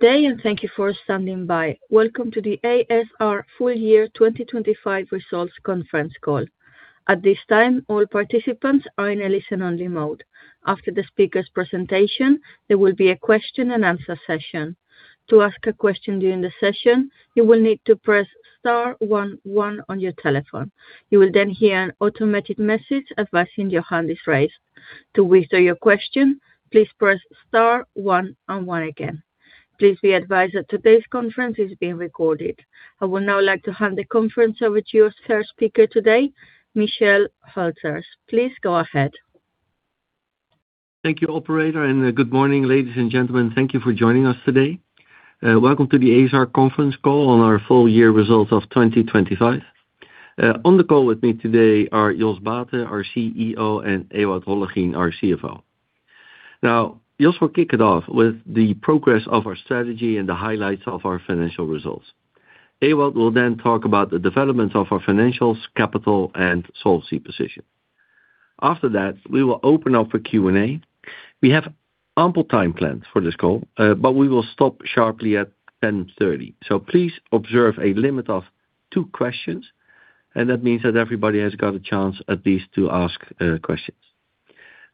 Good day, and thank you for standing by. Welcome to the ASR Full Year 2025 Results Conference Call. At this time, all participants are in a listen-only mode. After the speakers' presentation, there will be a question and answer session. To ask a question during the session, you will need to press star one one on your telephone. You will then hear an automatic message advising your hand is raised. To withdraw your question, please press star one and one again. Please be advised that today's conference is being recorded. I would now like to hand the conference over to your first speaker today, Michel Hülters. Please go ahead. Thank you, operator, and good morning, ladies and gentlemen. Thank you for joining us today. Welcome to the ASR conference call on our full year results of 2025. On the call with me today are Jos Baeten, our CEO, and Ewout Hollegien, our CFO. Now, Jos will kick it off with the progress of our strategy and the highlights of our financial results. Ewout will then talk about the development of our financials, capital, and solvency position. After that, we will open up a Q&A. We have ample time planned for this call, but we will stop sharply at 10:30 A.M. So please observe a limit of two questions, and that means that everybody has got a chance at least to ask questions.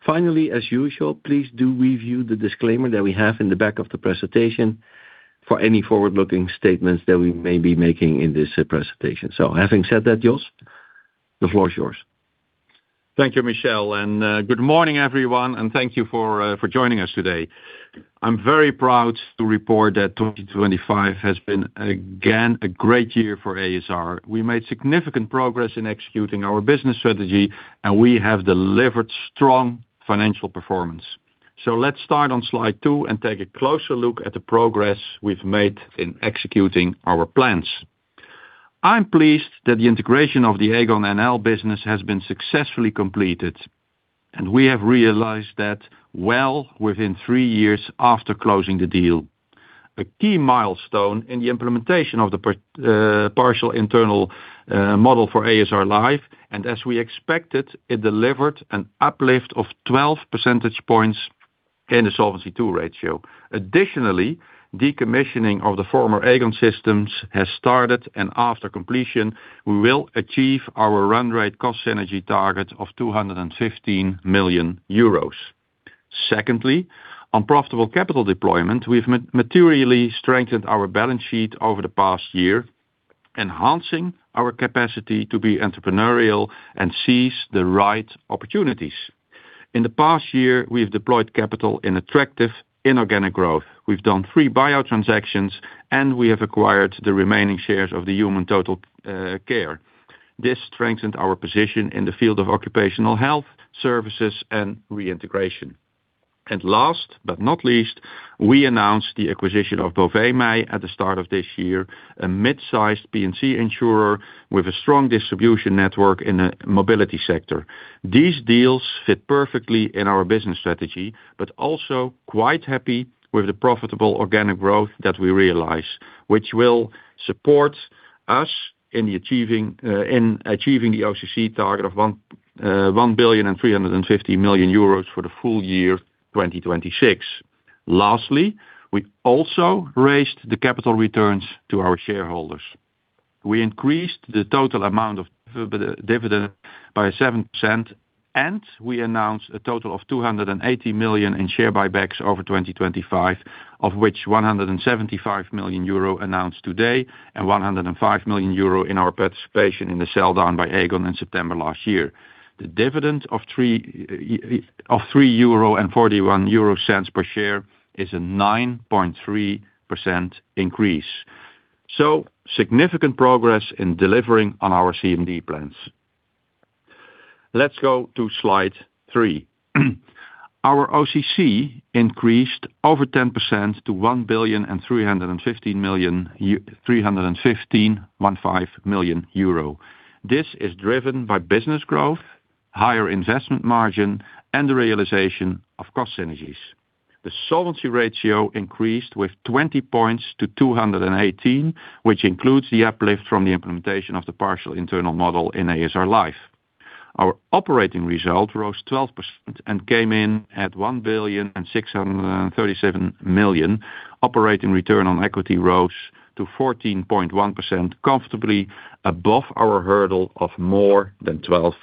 Finally, as usual, please do review the disclaimer that we have in the back of the presentation for any forward-looking statements that we may be making in this presentation. So having said that, Jos, the floor is yours. Thank you, Michel, and, good morning, everyone, and thank you for, for joining us today. I'm very proud to report that 2025 has been, again, a great year for ASR. We made significant progress in executing our business strategy, and we have delivered strong financial performance. So let's start on slide two and take a closer look at the progress we've made in executing our plans. I'm pleased that the integration of the Aegon NL business has been successfully completed, and we have realized that well within three years after closing the deal. A key milestone in the implementation of the partial internal model for ASR Life, and as we expected, it delivered an uplift of 12 percentage points in the Solvency II ratio. Additionally, decommissioning of the former Aegon systems has started, and after completion, we will achieve our run rate cost synergy target of 215 million euros. Secondly, on profitable capital deployment, we've materially strengthened our balance sheet over the past year, enhancing our capacity to be entrepreneurial and seize the right opportunities. In the past year, we've deployed capital in attractive inorganic growth. We've done three buyout transactions, and we have acquired the remaining shares of the HumanTotalCare. This strengthened our position in the field of occupational health, services, and reintegration. Last, but not least, we announced the acquisition of Bovemij at the start of this year, a mid-sized P&C insurer with a strong distribution network in the mobility sector. These deals fit perfectly in our business strategy, also quite happy with the profitable organic growth that we realize, which will support us in achieving the OCC target of 1,350 million euros for the full year 2026. Lastly, we also raised the capital returns to our shareholders. We increased the total amount of dividend by 7%, and we announced a total of 280 million in share buybacks over 2025, of which 175 million euro announced today and 105 million euro in our participation in the sell down by Aegon in September last year. The dividend of 3.41 euro per share is a 9.3% increase. Significant progress in delivering on our CMD plans. Let's go to slide 3. Our OCC increased over 10% to 1,315 million. This is driven by business growth, higher investment margin, and the realization of cost synergies. The solvency ratio increased with 20 points to 218%, which includes the uplift from the implementation of the partial internal model in ASR Life. Our operating result rose 12% and came in at 1,637 million. Operating return on equity rose to 14.1%, comfortably above our hurdle of more than 12%.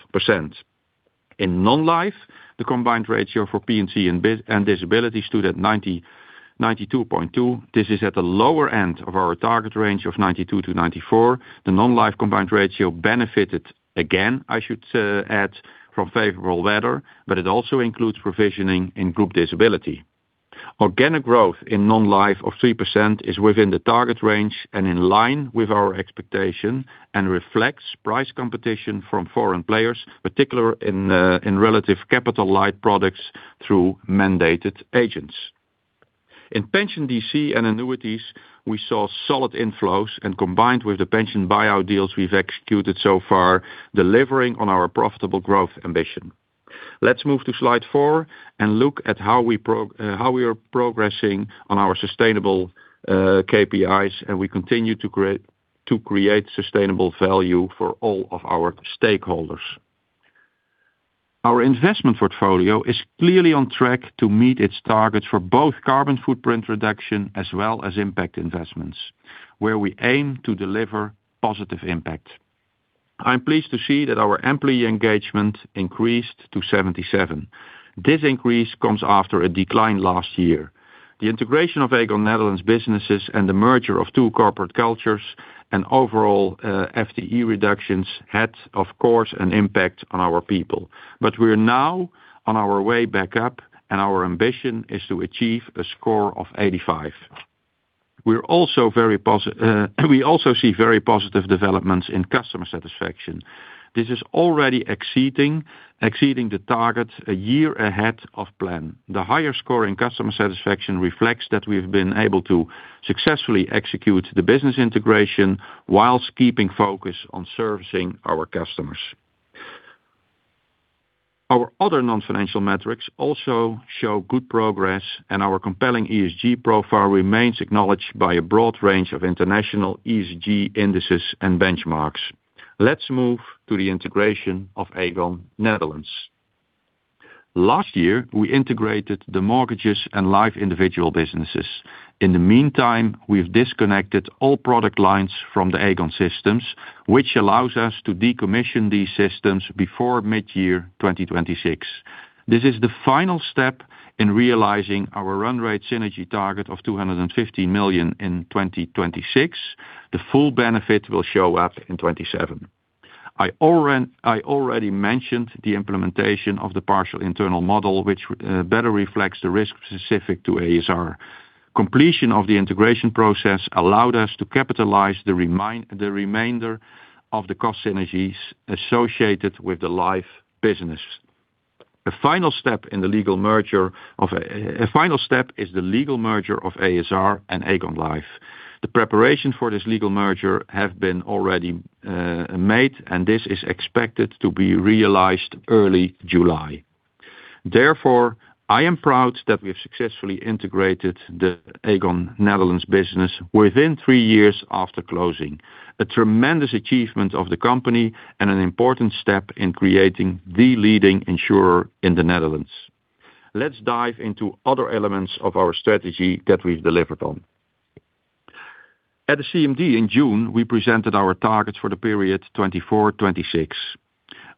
In non-life, the combined ratio for P&C and disability stood at 90%, 92.2%. This is at the lower end of our target range of 92%-94%. The non-life Combined Ratio benefited again. I should add from favorable weather, but it also includes provisioning in group disability. Organic growth in non-life of 3% is within the target range and in line with our expectation, and reflects price competition from foreign players, particularly in relative capital light products through mandated agents. In pension DC and annuities, we saw solid inflows, and combined with the pension buyout deals we've executed so far, delivering on our profitable growth ambition. Let's move to slide 4 and look at how we are progressing on our sustainable KPIs, and we continue to create sustainable value for all of our stakeholders. Our investment portfolio is clearly on track to meet its targets for both carbon footprint reduction as well as impact investments, where we aim to deliver positive impact. I'm pleased to see that our employee engagement increased to 77%. This increase comes after a decline last year. The integration of Aegon Netherlands businesses and the merger of two corporate cultures and overall, FTE reductions had, of course, an impact on our people. But we are now on our way back up, and our ambition is to achieve a score of 85. We're also very, we also see very positive developments in customer satisfaction. This is already exceeding the target a year ahead of plan. The higher score in customer satisfaction reflects that we've been able to successfully execute the business integration while keeping focus on servicing our customers. Our other non-financial metrics also show good progress, and our compelling ESG profile remains acknowledged by a broad range of international ESG indices and benchmarks. Let's move to the integration of Aegon Netherlands. Last year, we integrated the mortgages and life individual businesses. In the meantime, we've disconnected all product lines from the Aegon systems, which allows us to decommission these systems before midyear 2026. This is the final step in realizing our run rate synergy target of 250 million in 2026. The full benefit will show up in 2027. I already mentioned the implementation of the partial internal model, which better reflects the risk specific to ASR. Completion of the integration process allowed us to capitalize the remainder of the cost synergies associated with the life business. A final step is the legal merger of ASR and Aegon Life. The preparation for this legal merger has already been made, and this is expected to be realized early July. Therefore, I am proud that we have successfully integrated the Aegon Netherlands business within three years after closing. A tremendous achievement of the company and an important step in creating the leading insurer in the Netherlands. Let's dive into other elements of our strategy that we've delivered on. At the CMD in June, we presented our targets for the period 2024-2026.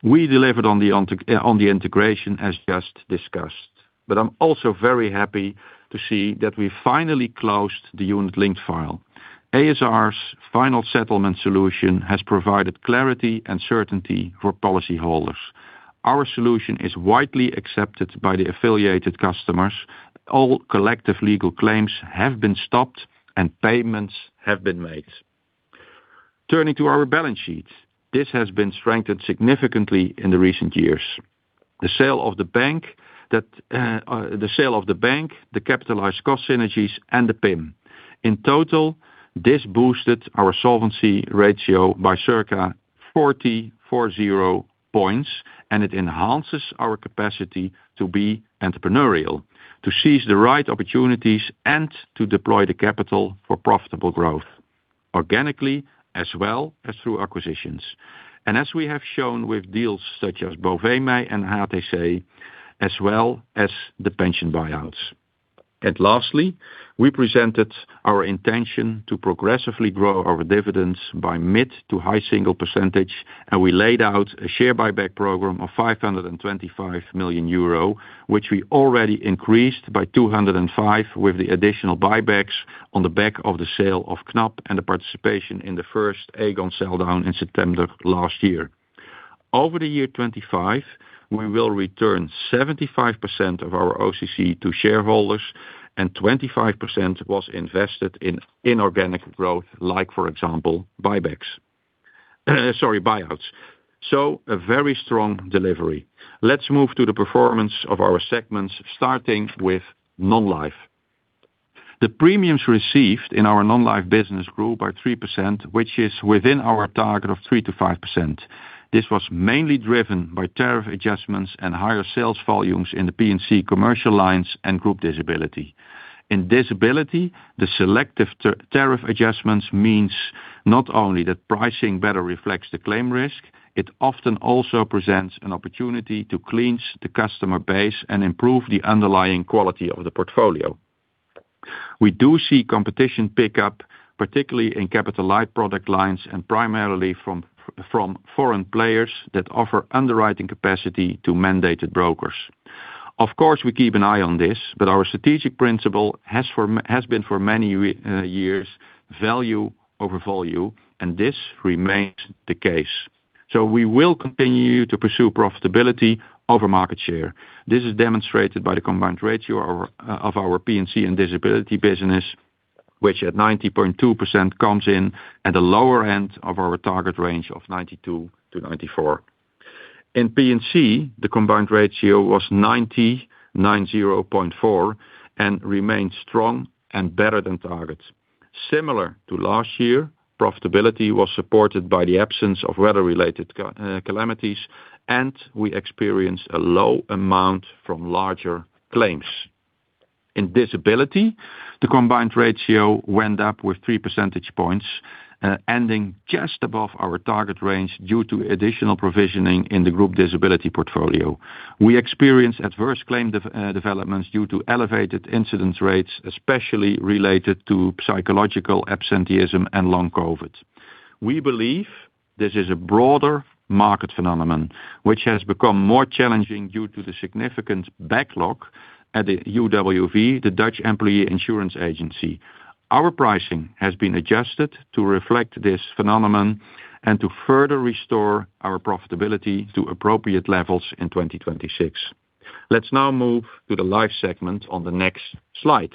We delivered on the integration, as just discussed, but I'm also very happy to see that we finally closed the unit-linked file. ASR's final settlement solution has provided clarity and certainty for policyholders. Our solution is widely accepted by the affiliated customers. All collective legal claims have been stopped and payments have been made. Turning to our balance sheet, this has been strengthened significantly in the recent years. The sale of the bank, the capitalized cost synergies, and the PIM. In total, this boosted our solvency ratio by circa 40 points, and it enhances our capacity to be entrepreneurial, to seize the right opportunities, and to deploy the capital for profitable growth, organically as well as through acquisitions. As we have shown with deals such as Bovemij and HumanTotalCare, as well as the pension buyouts. Lastly, we presented our intention to progressively grow our dividends by mid to high single percentage, and we laid out a share buyback program of 525 million euro, which we already increased by 205 million with the additional buybacks on the back of the sale of Knab and the participation in the first Aegon sell down in September last year. Over the year 2025, we will return 75% of our OCC to shareholders, and 25% was invested in inorganic growth, like, for example, buybacks, sorry, buyouts. So a very strong delivery. Let's move to the performance of our segments, starting with non-life. The premiums received in our non-life business grew by 3%, which is within our target of 3%-5%. This was mainly driven by tariff adjustments and higher sales volumes in the P&C commercial lines and group disability. In disability, the selective tariff adjustments means not only that pricing better reflects the claim risk, it often also presents an opportunity to cleanse the customer base and improve the underlying quality of the portfolio. We do see competition pick up, particularly in capital light product lines and primarily from, from foreign players that offer underwriting capacity to mandated brokers. Of course, we keep an eye on this, but our strategic principle has been for many years, value over volume, and this remains the case. We will continue to pursue profitability over market share. This is demonstrated by the combined ratio of our P&C and disability business, which at 90.2% comes in at the lower end of our target range of 92%-94%. In P&C, the combined ratio was 90.4% and remains strong and better than targets. Similar to last year, profitability was supported by the absence of weather-related calamities, and we experienced a low amount from larger claims. In disability, the combined ratio went up with 3 percentage points, ending just above our target range due to additional provisioning in the group disability portfolio. We experienced adverse claim developments due to elevated incidence rates, especially related to psychological absenteeism and long COVID. We believe this is a broader market phenomenon, which has become more challenging due to the significant backlog at the UWV, the Dutch Employee Insurance Agency. Our pricing has been adjusted to reflect this phenomenon and to further restore our profitability to appropriate levels in 2026. Let's now move to the life segment on the next slide.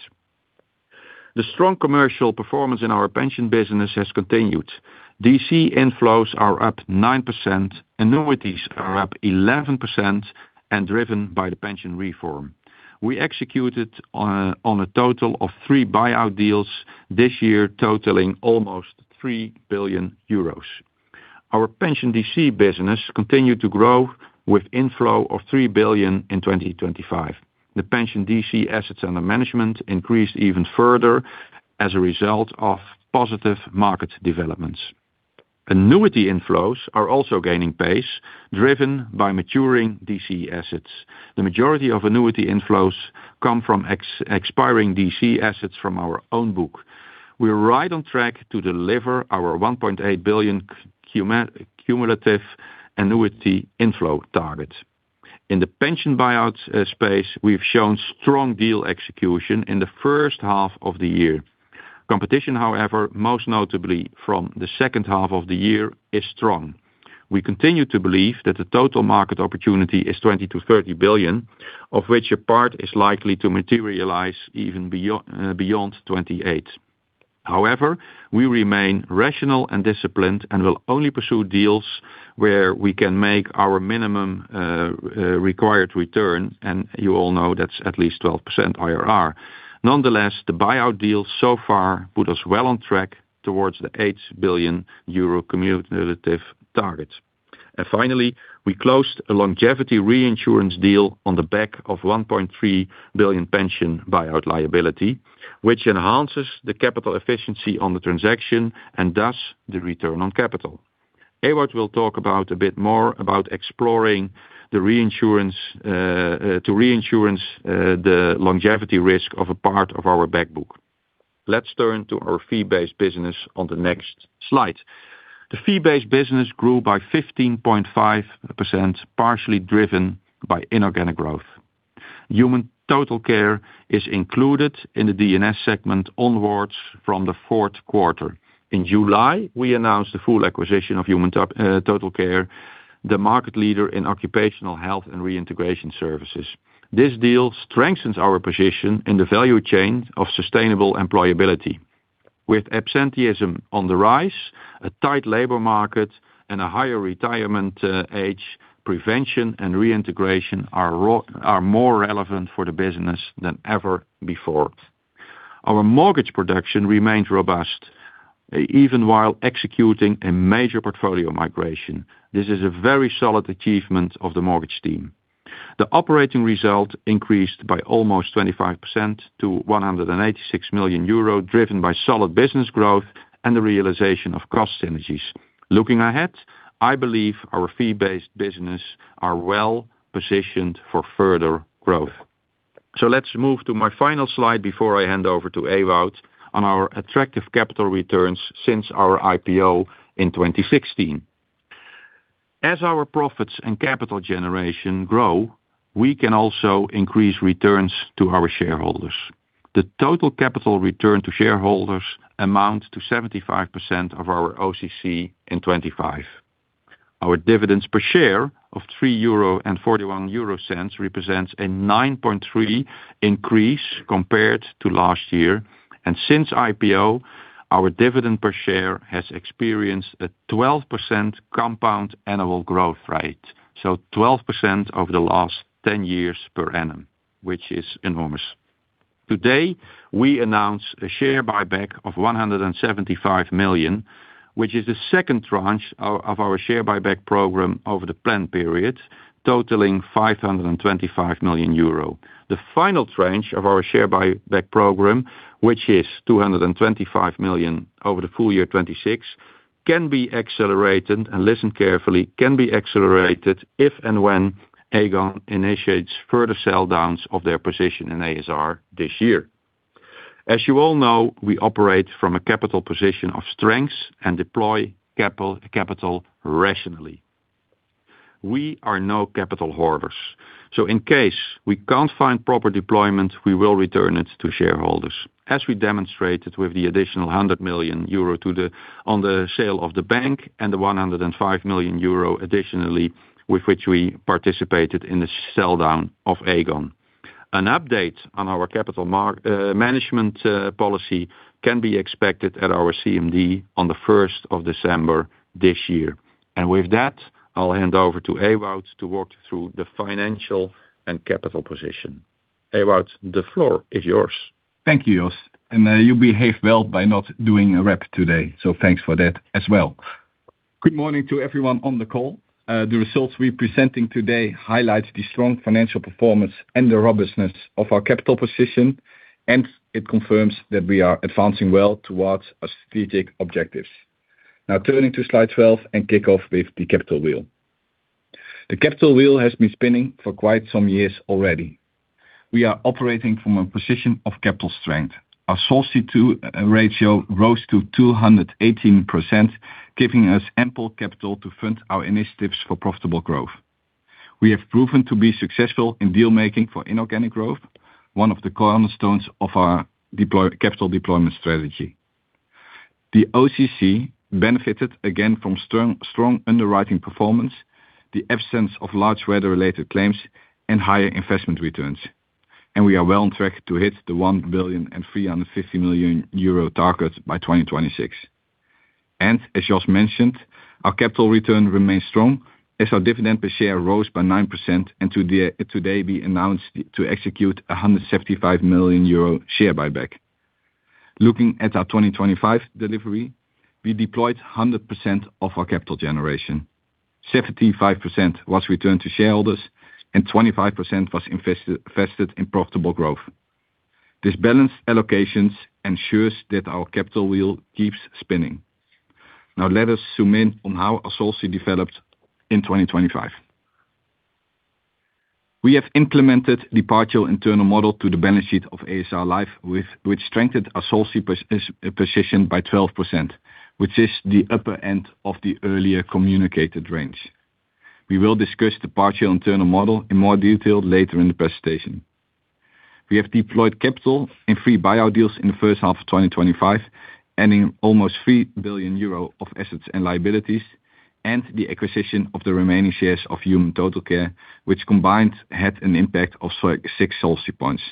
The strong commercial performance in our pension business has continued. DC inflows are up 9%, annuities are up 11%, and driven by the pension reform. We executed on a total of three buyout deals this year, totaling almost 3 billion euros. Our pension DC business continued to grow with inflow of 3 billion in 2025. The pension DC assets under management increased even further as a result of positive market developments. Annuity inflows are also gaining pace, driven by maturing DC assets. The majority of annuity inflows come from ex-expiring DC assets from our own book. We are right on track to deliver our 1.8 billion cumulative annuity inflow target. In the pension buyouts space, we've shown strong deal execution in the first half of the year. Competition, however, most notably from the second half of the year, is strong. We continue to believe that the total market opportunity is 20 billion-30 billion, of which a part is likely to materialize even beyond 2028. However, we remain rational and disciplined and will only pursue deals where we can make our minimum required return, and you all know that's at least 12% IRR. Nonetheless, the buyout deals so far put us well on track towards the 8 billion euro cumulative target. And finally, we closed a longevity reinsurance deal on the back of 1.3 billion pension buyout liability, which enhances the capital efficiency on the transaction and thus the return on capital. Ewout will talk about a bit more about exploring the reinsurance to reinsure the longevity risk of a part of our back book. Let's turn to our fee-based business on the next slide. The fee-based business grew by 15.5%, partially driven by inorganic growth. HumanTotalCare is included in the D&S segment onwards from the fourth quarter. In July, we announced the full acquisition of HumanTotalCare, the market leader in occupational health and reintegration services. This deal strengthens our position in the value chain of sustainable employability. With absenteeism on the rise, a tight labor market and a higher retirement age, prevention and reintegration are more relevant for the business than ever before. Our mortgage production remains robust, even while executing a major portfolio migration. This is a very solid achievement of the mortgage team. The operating result increased by almost 25% to 186 million euro, driven by solid business growth and the realization of cost synergies. Looking ahead, I believe our fee-based business are well positioned for further growth. So let's move to my final slide before I hand over to Ewout on our attractive capital returns since our IPO in 2016. As our profits and capital generation grow, we can also increase returns to our shareholders. The total capital return to shareholders amounts to 75% of our OCC in 2025. Our dividends per share of 3.41 euro represents a 9.3% increase compared to last year. Since IPO, our dividend per share has experienced a 12% compound annual growth rate, so 12% over the last 10 years per annum, which is enormous. Today, we announce a share buyback of 175 million, which is the second tranche of our share buyback program over the plan period, totaling 525 million euro. The final tranche of our share buyback program, which is 225 million over the full year 2026, can be accelerated, and listen carefully, can be accelerated if and when Aegon initiates further sell downs of their position in ASR this year. As you all know, we operate from a capital position of strength and deploy capital rationally. We are no capital hoarders, so in case we can't find proper deployment, we will return it to shareholders. As we demonstrated with the additional 100 million euro to the, on the sale of the bank and the 105 million euro additionally, with which we participated in the sell down of Aegon. An update on our capital management policy can be expected at our CMD on the first of December this year. And with that, I'll hand over to Ewout to walk you through the financial and capital position. Ewout, the floor is yours. Thank you, Jos. And you behave well by not doing a wrap today, so thanks for that as well. Good morning to everyone on the call. The results we're presenting today highlight the strong financial performance and the robustness of our capital position, and it confirms that we are advancing well towards our strategic objectives. Now turning to slide 12 and kick off with the capital wheel. The capital wheel has been spinning for quite some years already. We are operating from a position of capital strength. Our Solvency II ratio rose to 218%, giving us ample capital to fund our initiatives for profitable growth. We have proven to be successful in deal making for inorganic growth, one of the cornerstones of our capital deployment strategy. The OCC benefited again from strong, strong underwriting performance, the absence of large weather-related claims, and higher investment returns. We are well on track to hit the 1 billion 350 million target by 2026. As Jos mentioned, our capital return remains strong as our dividend per share rose by 9%, and today we announced to execute a 175 million euro share buyback. Looking at our 2025 delivery, we deployed 100% of our capital generation. 75% was returned to shareholders, and 25% was invested, invested in profitable growth. This balanced allocation ensures that our capital wheel keeps spinning. Now let us zoom in on how our Solvency developed in 2025. We have implemented the partial internal model to the benefit of ASR Life, which strengthened our Solvency position by 12%, which is the upper end of the earlier communicated range. We will discuss the partial internal model in more detail later in the presentation. We have deployed capital in three buyout deals in the first half of 2025, adding almost 3 billion euro of assets and liabilities, and the acquisition of the remaining shares of HumanTotalCare, which combined had an impact of six Solvency points.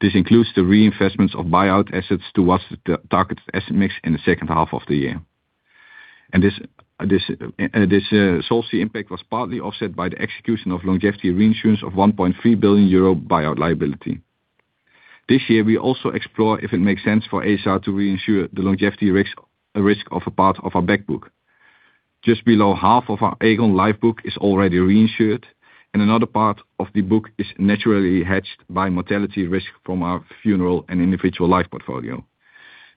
This includes the reinvestments of buyout assets towards the target asset mix in the second half of the year. This Solvency impact was partly offset by the execution of longevity reinsurance of 1.3 billion euro buyout liability. This year, we also explore if it makes sense for ASR to reinsure the longevity risk, risk of a part of our back book. Just below half of our Aegon life book is already reinsured, and another part of the book is naturally hedged by mortality risk from our funeral and individual life portfolio.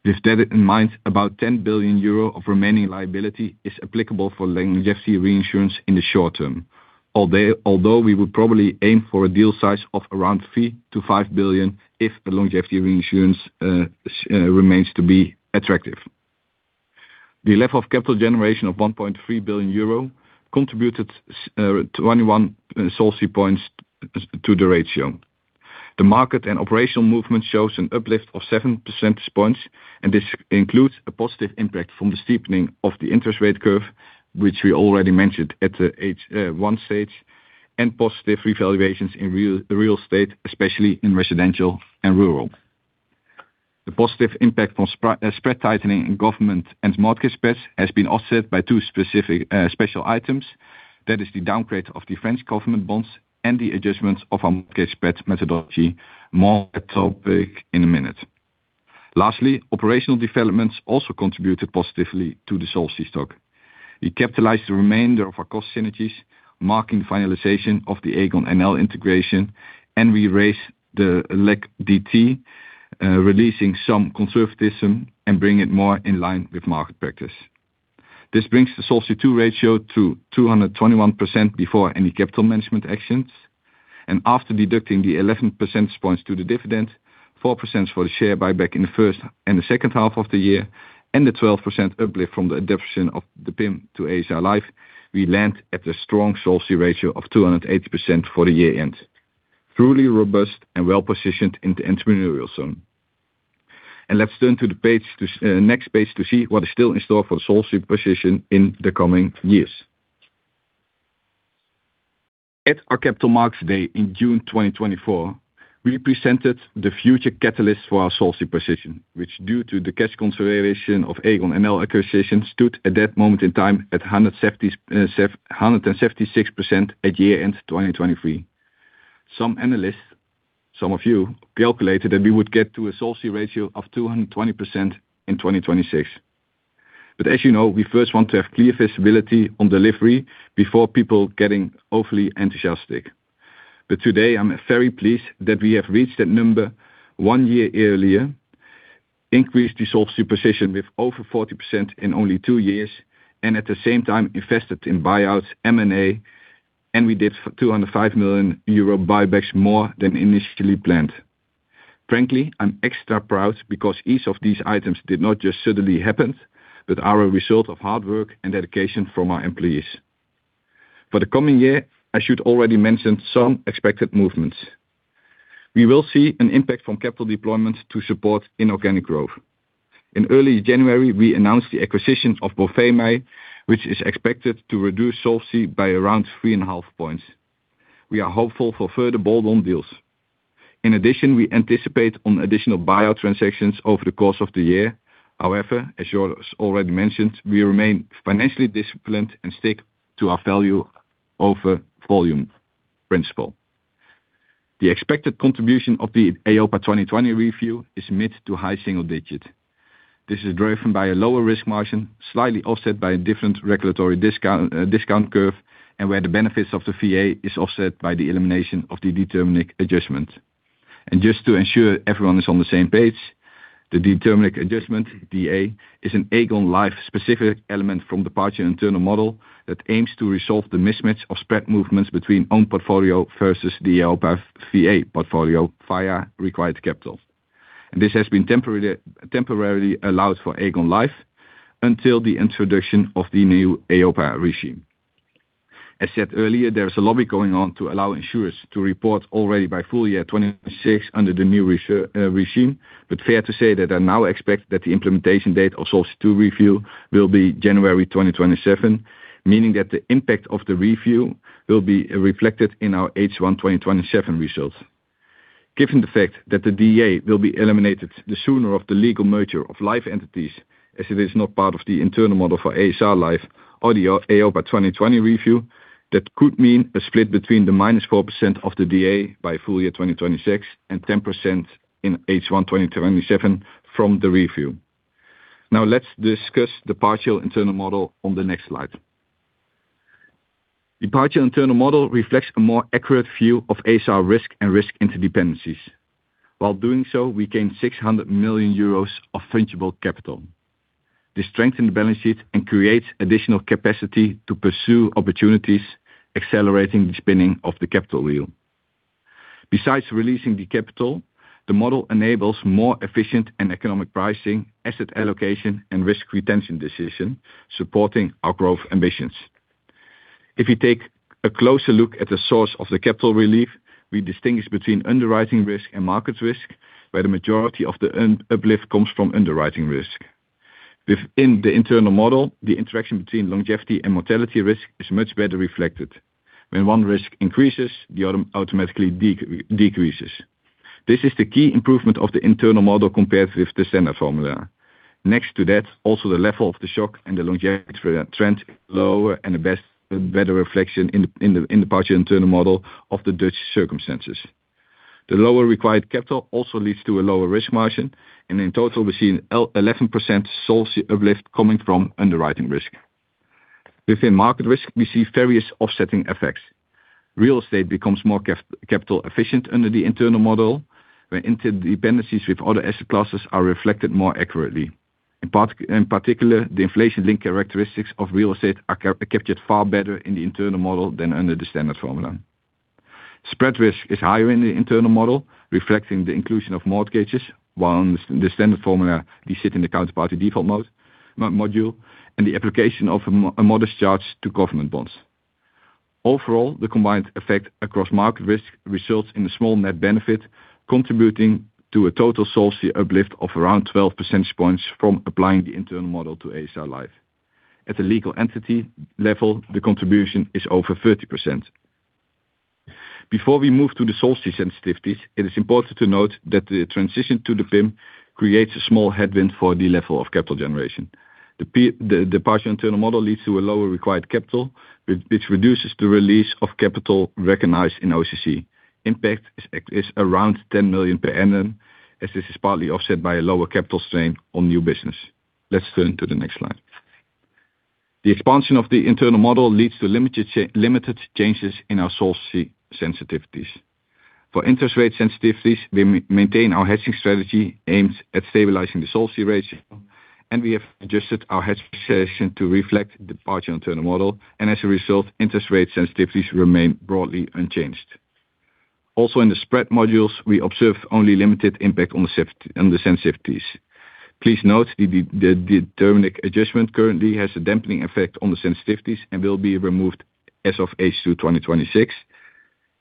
With that in mind, about 10 billion euro of remaining liability is applicable for longevity reinsurance in the short term. Although we would probably aim for a deal size of around 3 billion-5 billion if the longevity reinsurance remains to be attractive. The level of capital generation of 1.3 billion euro contributed to only 1 Solvency points to the ratio. The market and operational movement shows an uplift of 7 percentage points, and this includes a positive impact from the steepening of the interest rate curve, which we already mentioned at the H1 stage, and positive revaluations in real estate, especially in residential and rural. The positive impact from spread tightening in government and mortgage spreads has been offset by two specific special items. That is the downgrade of the French government bonds and the adjustments of our mortgage spreads methodology. More on that topic in a minute. Lastly, operational developments also contributed positively to the Solvency stock. We capitalized the remainder of our cost synergies, marking the finalization of the Aegon NL integration, and we raised the LAC DT, releasing some conservatism and bring it more in line with market practice. This brings the Solvency II ratio to 221% before any capital management actions, and after deducting the 11 percentage points to the dividend, 4% for the share buyback in the first and the second half of the year, and the 12% uplift from the adoption of the PIM to ASR Life, we land at a strong Solvency ratio of 208% for the year-end. Truly robust and well-positioned in the entrepreneurial zone. Let's turn to the page, to next page to see what is still in store for the Solvency position in the coming years. At our Capital Markets Day in June 2024, we presented the future catalyst for our Solvency position, which, due to the cash consideration of Aegon NL acquisition, stood at that moment in time at 176% at year-end 2023. Some analysts, some of you, calculated that we would get to a Solvency ratio of 220% in 2026. But as you know, we first want to have clear visibility on delivery before people getting overly enthusiastic. But today, I'm very pleased that we have reached that number one year earlier, increased the Solvency position with over 40% in only two years, and at the same time invested in buyouts, M&A, and we did 205 million euro buybacks more than initially planned. Frankly, I'm extra proud because each of these items did not just suddenly happen, but are a result of hard work and dedication from our employees. For the coming year, I should already mention some expected movements. We will see an impact from capital deployment to support inorganic growth. In early January, we announced the acquisition of Bovemij, which is expected to reduce Solvency by around 3.5 points. We are hopeful for further bolt-on deals. In addition, we anticipate additional buyout transactions over the course of the year. However, as Jos already mentioned, we remain financially disciplined and stick to our value over volume principle. The expected contribution of the EIOPA 2020 review is mid- to high single digit. This is driven by a lower risk margin, slightly offset by a different regulatory discount, discount curve, and where the benefits of the VA is offset by the elimination of the deterministic adjustment. And just to ensure everyone is on the same page, the deterministic adjustment, VA, is an Aegon Life specific element from the partial internal model, that aims to resolve the mismatch of spread movements between own portfolio versus the EIOPA VA portfolio via required capital. And this has been temporarily allowed for Aegon Life until the introduction of the new EIOPA regime. As said earlier, there is a lobby going on to allow insurers to report already by full year 2026 under the new regime, but fair to say that I now expect that the implementation date of Solvency II review will be January 2027, meaning that the impact of the review will be reflected in our H1 2027 results. Given the fact that the VA will be eliminated, the sooner of the legal merger of life entities, as it is not part of the internal model for ASR Life or the EIOPA 2020 review, that could mean a split between the -4% of the VA by full year 2026, and 10% in H1 2027 from the review. Now let's discuss the partial internal model on the next slide. The partial internal model reflects a more accurate view of ASR risk and risk interdependencies. While doing so, we gained 600 million euros of tangible capital. This strengthened the balance sheet and creates additional capacity to pursue opportunities, accelerating the spinning of the capital wheel. Besides releasing the capital, the model enables more efficient and economic pricing, asset allocation, and risk retention decision, supporting our growth ambitions. If you take a closer look at the source of the capital relief, we distinguish between underwriting risk and market risk, where the majority of the earn uplift comes from underwriting risk. Within the internal model, the interaction between longevity and mortality risk is much better reflected. When one risk increases, the other automatically decreases. This is the key improvement of the internal model compared with the standard formula. Next to that, also the level of the shock and the longevity trend is lower and a better reflection in the partial internal model of the Dutch circumstances. The lower required capital also leads to a lower risk margin, and in total, we see an 11% Solvency uplift coming from underwriting risk. Within market risk, we see various offsetting effects. Real estate becomes more capital efficient under the internal model, where interdependencies with other asset classes are reflected more accurately. In particular, the inflation link characteristics of real estate are captured far better in the internal model than under the standard formula. Spread risk is higher in the internal model, reflecting the inclusion of mortgages, while in the standard formula, these sit in the counterparty default module, and the application of a modest charge to government bonds. Overall, the combined effect across market risk results in a small net benefit, contributing to a total Solvency uplift of around 12 percentage points from applying the internal model to ASR Life. At the legal entity level, the contribution is over 30%. Before we move to the Solvency sensitivities, it is important to note that the transition to the PIM creates a small headwind for the level of capital generation. The partial internal model leads to a lower required capital, which reduces the release of capital recognized in OCC. Impact is around 10 million per annum, as this is partly offset by a lower capital strain on new business. Let's turn to the next slide. The expansion of the internal model leads to limited changes in our Solvency sensitivities. For interest rate sensitivities, we maintain our hedging strategy aimed at stabilizing the Solvency ratio, and we have adjusted our hedging position to reflect the partial internal model, and as a result, interest rate sensitivities remain broadly unchanged. Also, in the spread modules, we observe only limited impact on the sensitivities. Please note, the deterministic adjustment currently has a dampening effect on the sensitivities and will be removed as of H2 2026.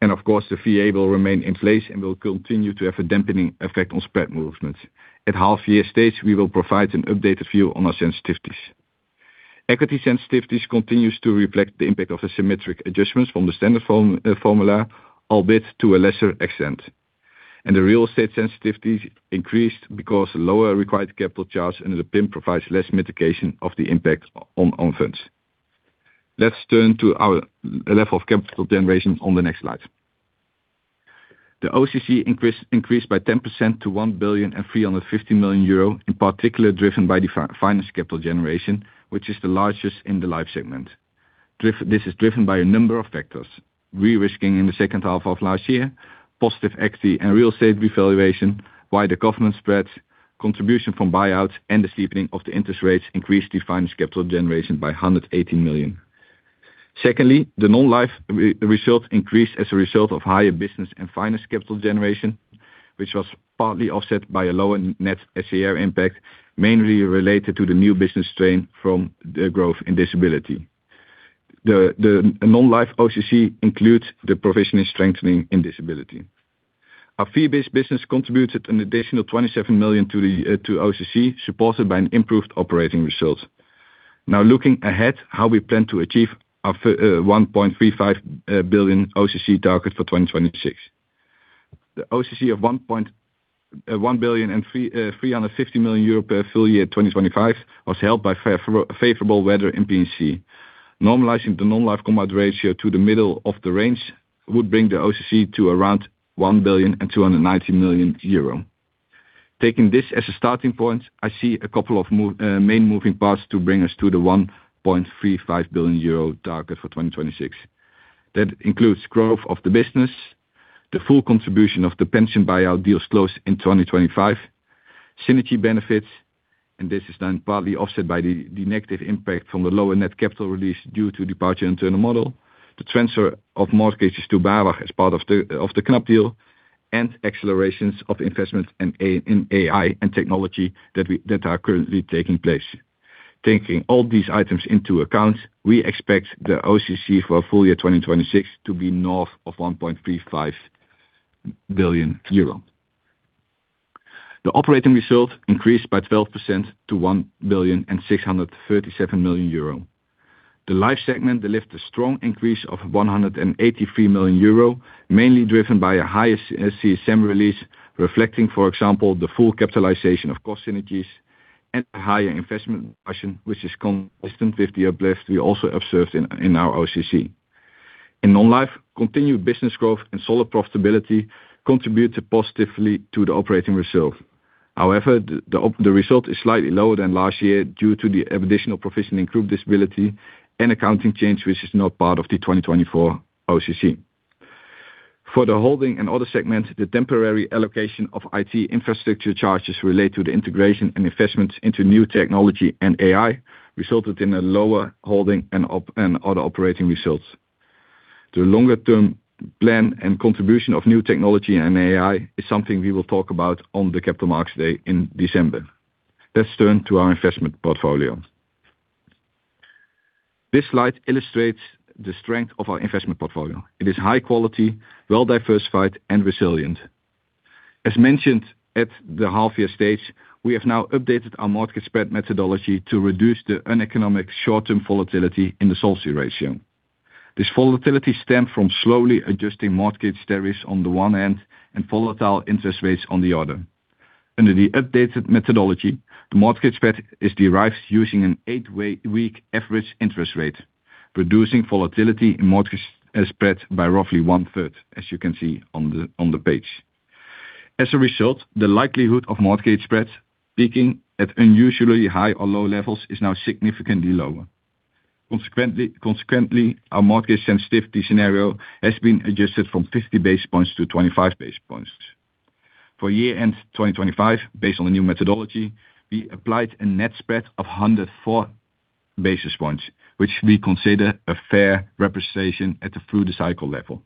And of course, the VA will remain in place and will continue to have a dampening effect on spread movements. At half year stage, we will provide an updated view on our sensitivities. Equity sensitivities continues to reflect the impact of the symmetric adjustments from the standard form formula, albeit to a lesser extent. And the real estate sensitivities increased because lower required capital charge under the PIM provides less mitigation of the impact on funds. Let's turn to our level of capital generation on the next slide. The OCC increased by 10% to 1,350 million euro, in particular, driven by the finance capital generation, which is the largest in the life segment. This is driven by a number of factors: re-risking in the second half of last year, positive equity and real estate revaluation, wider government spreads, contribution from buyouts, and the steepening of the interest rates increased the finance capital generation by 180 million. Secondly, the non-life result increased as a result of higher business and finance capital generation, which was partly offset by a lower net SCR impact, mainly related to the new business strain from the growth in disability. The non-life OCC includes the professional strengthening in disability. Our fee-based business contributed an additional 27 million to the OCC, supported by an improved operating result. Now, looking ahead, how we plan to achieve our 1.35 billion OCC target for 2026. The OCC of 1.35 billion per full year 2025 was helped by favorable weather in P&C. Normalizing the non-life combined ratio to the middle of the range would bring the OCC to around 1.29 billion. Taking this as a starting point, I see a couple of main moving parts to bring us to the 1.35 billion euro target for 2026. That includes growth of the business, the full contribution of the pension buyout deals closed in 2025, synergy benefits, and this is then partly offset by the, the negative impact from the lower net capital release due to departure internal model, the transfer of more cases to BAWAG as part of the, of the Knab deal, and accelerations of investment in AI and technology that we, that are currently taking place. Taking all these items into account, we expect the OCC for full year 2026 to be north of 1.35 billion euro. The operating results increased by 12% to 1.637 billion. The life segment delivered a strong increase of 183 million euro, mainly driven by a higher CSM release, reflecting, for example, the full capitalization of cost synergies and higher investment income, which is consistent with the uplift we also observed in our OCC. In non-life, continued business growth and solid profitability contributed positively to the operating result. However, the operating result is slightly lower than last year due to the additional provision in group disability and accounting change, which is not part of the 2024 OCC. For the holding and other segments, the temporary allocation of IT infrastructure charges related to the integration and investments into new technology and AI resulted in a lower holding and other operating results. The longer term plan and contribution of new technology and AI is something we will talk about on the Capital Markets Day in December. Let's turn to our investment portfolio. This slide illustrates the strength of our investment portfolio. It is high quality, well-diversified, and resilient. As mentioned at the half year stage, we have now updated our mortgage spread methodology to reduce the uneconomic short-term volatility in the solvency ratio. This volatility stemmed from slowly adjusting mortgage tariffs on the one hand, and volatile interest rates on the other. Under the updated methodology, the mortgage spread is derived using an eight-week average interest rate, reducing volatility in mortgage spread by roughly one third, as you can see on the page. As a result, the likelihood of mortgage spreads peaking at unusually high or low levels is now significantly lower. Consequently, our mortgage sensitivity scenario has been adjusted from 50 basis points to 25 basis points. For year-end 2025, based on the new methodology, we applied a net spread of 104 basis points, which we consider a fair representation at the through-the-cycle level.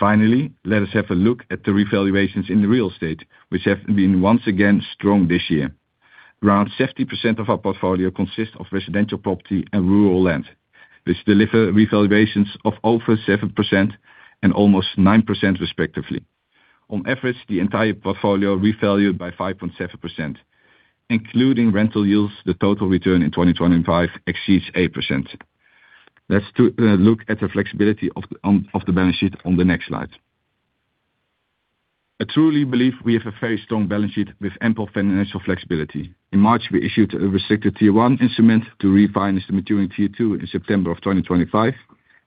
Finally, let us have a look at the revaluations in the real estate, which have been once again strong this year. Around 60% of our portfolio consists of residential property and rural land, which deliver revaluations of over 7% and almost 9%, respectively. On average, the entire portfolio revalued by 5.7%. Including rental yields, the total return in 2025 exceeds 8%. Let's look at the flexibility of the balance sheet on the next slide. I truly believe we have a very strong balance sheet with ample financial flexibility. In March, we issued a restricted Tier 1 instrument to refinance the maturing Tier 2 in September 2025,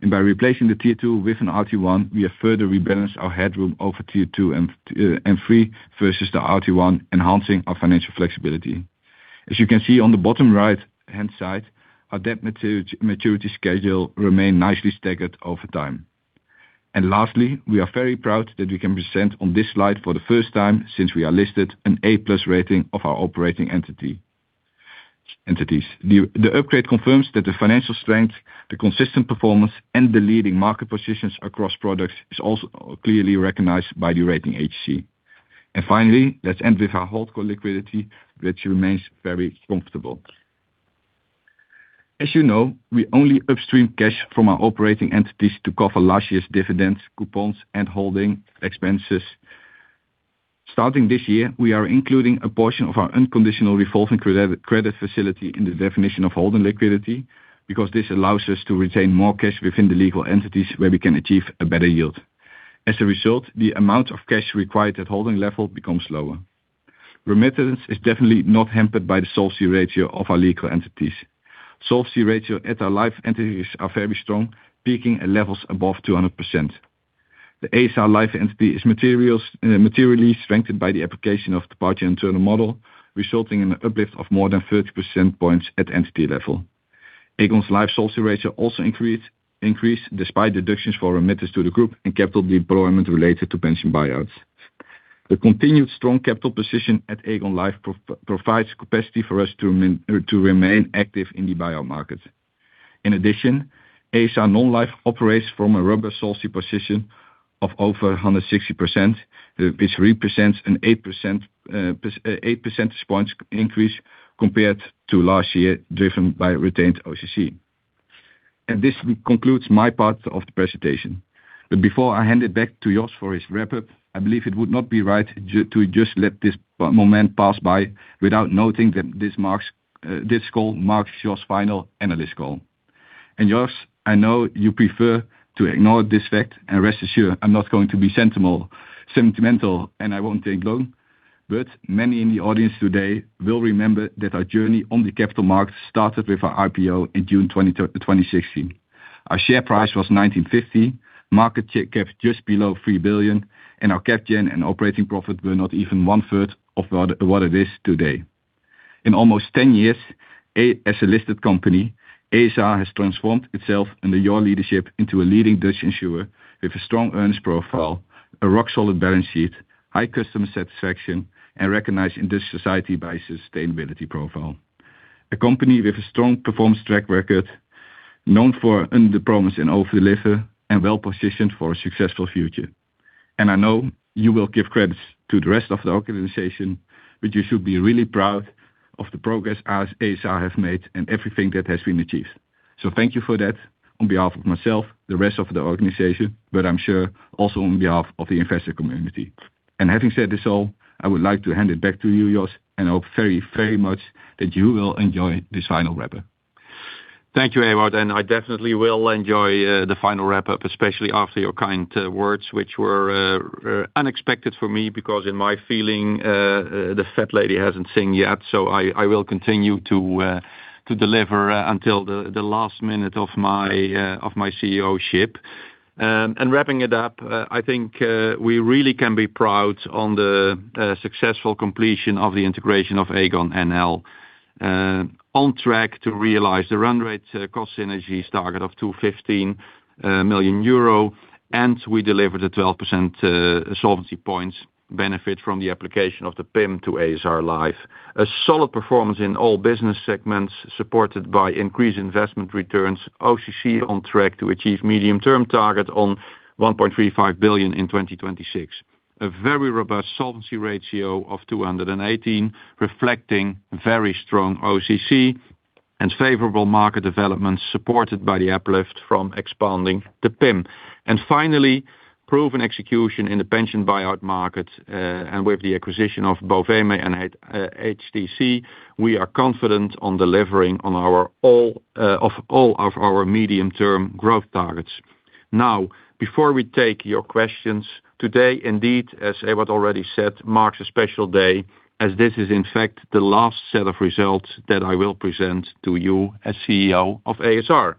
and by replacing the Tier 2 with an RT1, we have further rebalanced our headroom over Tier 2 and three versus the RT1, enhancing our financial flexibility. As you can see on the bottom right-hand side, our debt maturity schedule remains nicely staggered over time. And lastly, we are very proud that we can present on this slide for the first time since we are listed an A+ rating of our operating entities. The upgrade confirms that the financial strength, the consistent performance, and the leading market positions across products is also clearly recognized by the rating agency. And finally, let's end with our holdco liquidity, which remains very comfortable. As you know, we only upstream cash from our operating entities to cover last year's dividends, coupons, and holding expenses. Starting this year, we are including a portion of our unconditional revolving credit facility in the definition of holding liquidity, because this allows us to retain more cash within the legal entities where we can achieve a better yield. As a result, the amount of cash required at holding level becomes lower. Remittance is definitely not hampered by the solvency ratio of our legal entities. Solvency ratio at our life entities are very strong, peaking at levels above 200%. The ASR Life entity is materially strengthened by the application of partial internal model, resulting in an uplift of more than 30 percentage points at entity level. Aegon's life solvency ratio also increased, despite deductions for remittances to the group and capital deployment related to pension buyouts. The continued strong capital position at Aegon Life provides capacity for us to remain active in the buyout market. In addition, ASR non-life operates from a robust solvency position of over 160%, which represents an 8 percentage points increase compared to last year, driven by retained OCC. This concludes my part of the presentation. Before I hand it back to Jos for his wrap-up, I believe it would not be right to just let this moment pass by without noting that this call marks Jos' final analyst call. And Jos, I know you prefer to ignore this fact, and rest assured, I'm not going to be sentimental, and I won't take long. But many in the audience today will remember that our journey on the capital markets started with our IPO in June 2016. Our share price was 19.50, market cap just below 3 billion, and our cap gen and operating profit were not even one third of what it is today. In almost 10 years, as a listed company, ASR has transformed itself under your leadership into a leading Dutch insurer with a strong earnings profile, a rock-solid balance sheet, high customer satisfaction, and recognized in this society by sustainability profile. A company with a strong performance track record, known for under promise and over delivery, and well-positioned for a successful future. I know you will give credits to the rest of the organization, but you should be really proud of the progress us, ASR has made and everything that has been achieved. Thank you for that on behalf of myself, the rest of the organization, but I'm sure also on behalf of the investor community. Having said this all, I would like to hand it back to you, Jos, and hope very, very much that you will enjoy this final wrap-up. Thank you, Ewout, and I definitely will enjoy the final wrap-up, especially after your kind words, which were unexpected for me, because in my feeling the fat lady hasn't sung yet. So I will continue to deliver until the last minute of my CEO-ship. And wrapping it up, I think we really can be proud on the successful completion of the integration of Aegon NL. On track to realize the run rate, cost synergies, target of 215 million euro, and we delivered a 12% solvency points benefit from the application of the PIM to ASR life. A solid performance in all business segments, supported by increased investment returns, OCC on track to achieve medium-term target on 1.35 billion in 2026. A very robust solvency ratio of 218%, reflecting very strong OCC and favorable market developments, supported by the uplift from expanding the PIM. Finally, proven execution in the pension buyout market, and with the acquisition of both Bovemij and HumanTotalCare, we are confident on delivering on all of our medium-term growth targets. Now, before we take your questions, today, indeed, as Ewout already said, marks a special day, as this is, in fact, the last set of results that I will present to you as CEO of ASR.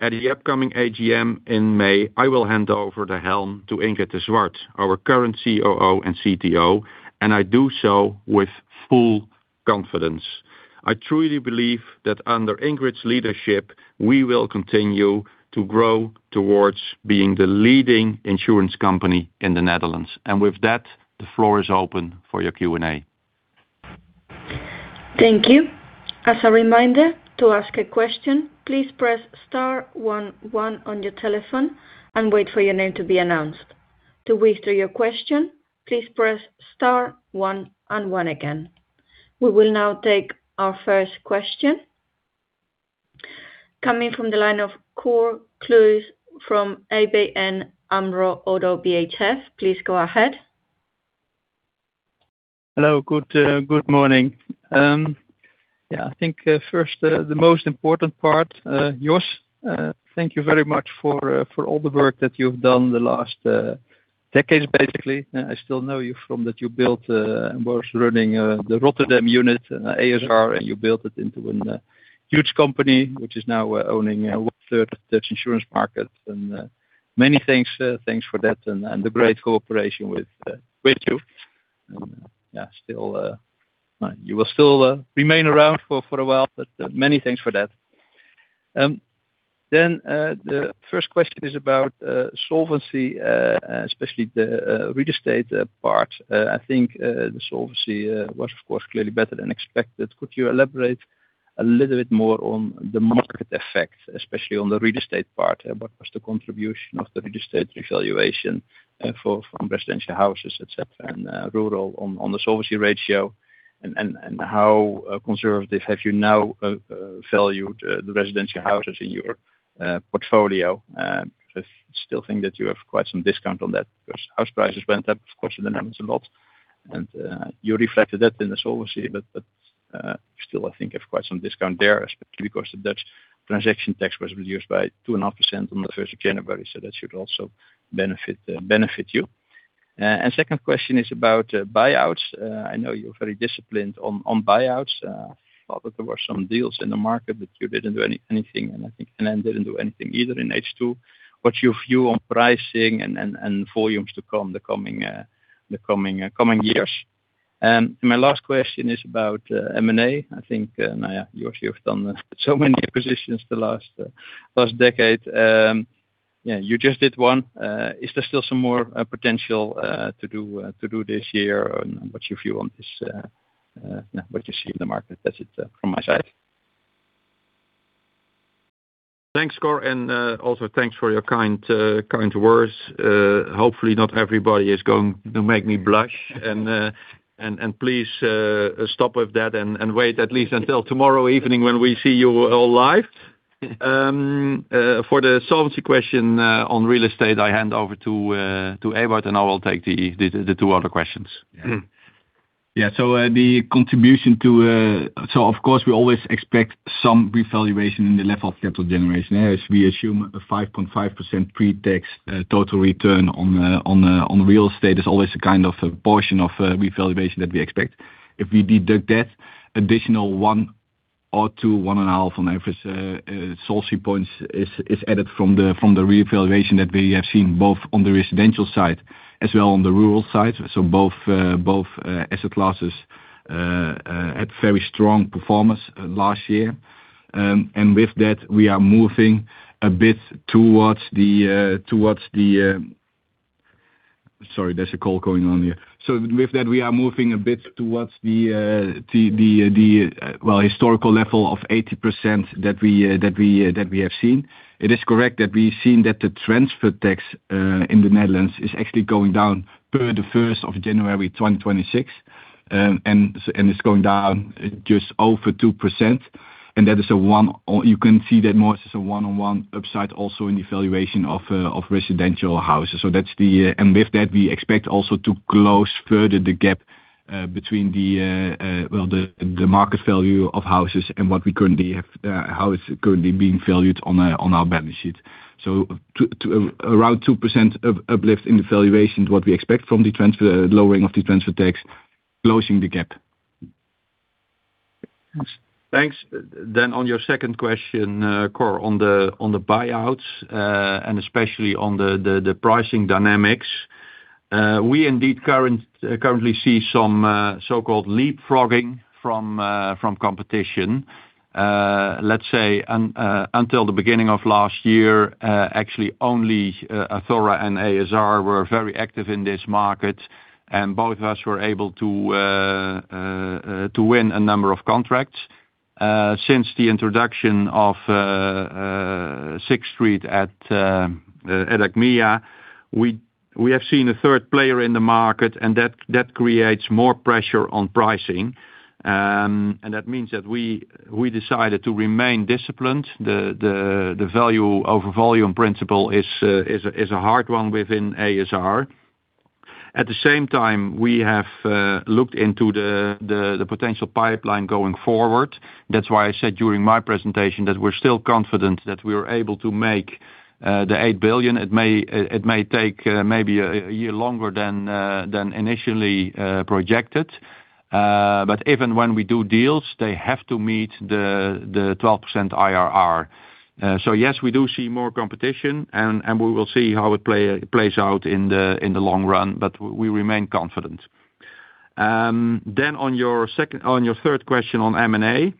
At the upcoming AGM in May, I will hand over the helm to Ingrid de Zwart, our current COO and CTO, and I do so with full confidence. I truly believe that under Ingrid's leadership, we will continue to grow towards being the leading insurance company in the Netherlands. With that, the floor is open for your Q&A. Thank you. As a reminder, to ask a question, please press star one, one on your telephone and wait for your name to be announced. To withdraw your question, please press star one and one again. We will now take our first question. Coming from the line of Cor Kluis from ABN AMRO ODDO BHF, please go ahead. Hello, good morning. Yeah, I think first, the most important part, Jos, thank you very much for all the work that you've done the last decades, basically. I still know you from that you built, was running, the Rotterdam unit, ASR, and you built it into a huge company, which is now owning a one third Dutch insurance market. Many thanks, thanks for that and the great cooperation with you. Yeah, still, you will still remain around for a while, but many thanks for that. Then, the first question is about solvency, especially the real estate part. I think the solvency was of course clearly better than expected. Could you elaborate a little bit more on the market effect, especially on the real estate part? What was the contribution of the real estate evaluation from residential houses, et cetera, and rural on the solvency ratio? And how conservative have you now valued the residential houses in your portfolio? I still think that you have quite some discount on that, because house prices went up, of course, in the Netherlands a lot, and you reflected that in the solvency, but still, I think you have quite some discount there, especially because the Dutch transaction tax was reduced by 2.5% on the first of January, so that should also benefit you. And second question is about buyouts. I know you're very disciplined on buyouts. I thought that there were some deals in the market, but you didn't do anything, and I think NN didn't do anything either in H2. What's your view on pricing and volumes to come in the coming years? And my last question is about M&A. I think, Jos, you've done so many acquisitions the last decade. Yeah, you just did one. Is there still some more potential to do this year? And what's your view on this, what you see in the market? That's it from my side. Thanks, Cor, and also thanks for your kind, kind words. Hopefully not everybody is going to make me blush. Please stop with that and wait at least until tomorrow evening when we see you all life. For the solvency question on real estate, I hand over to Ewout, and I will take the two other questions. Yeah, so the contribution to, so of course, we always expect some revaluation in the level of capital generation. As we assume a 5.5% pre-tax total return on real estate, there is always a kind of a portion of revaluation that we expect. If we deduct that additional 1% or 2%, 1.5% on average, sources points is added from the revaluation that we have seen, both on the residential side as well as on the rural side. So both asset classes had very strong performance last year. With that, we are moving a bit towards the, towards the-- Sorry, there's a call going on here. So with that, we are moving a bit towards the historical level of 80% that we have seen. It is correct that we've seen that the transfer tax in the Netherlands is actually going down per the first of January 2026. And it's going down just over 2%, and that is a one, or you can see that more as a one-on-one upside also in the valuation of residential houses. So that's the-- and with that, we expect also to close further the gap between the market value of houses and what we currently have, how it's currently being valued on our balance sheet. So to around 2% of uplift in the valuation, what we expect from the transfer, lowering of the transfer tax, closing the gap. Thanks. Then on your second question, Cor, on the buyouts, and especially on the pricing dynamics. We indeed currently see some so-called leapfrogging from competition. Let's say until the beginning of last year, actually, only Athora and ASR were very active in this market, and both of us were able to to win a number of contracts. Since the introduction of Sixth Street at Achmea, we have seen a third player in the market, and that creates more pressure on pricing. And that means that we decided to remain disciplined. The value of volume principle is a hard one within ASR. At the same time, we have looked into the potential pipeline going forward. That's why I said during my presentation that we're still confident that we were able to make 8 billion. It may take maybe a year longer than initially projected. But even when we do deals, they have to meet the 12% IRR. So yes, we do see more competition, and we will see how it plays out in the long run, but we remain confident. Then on your second, on your third question on M&A.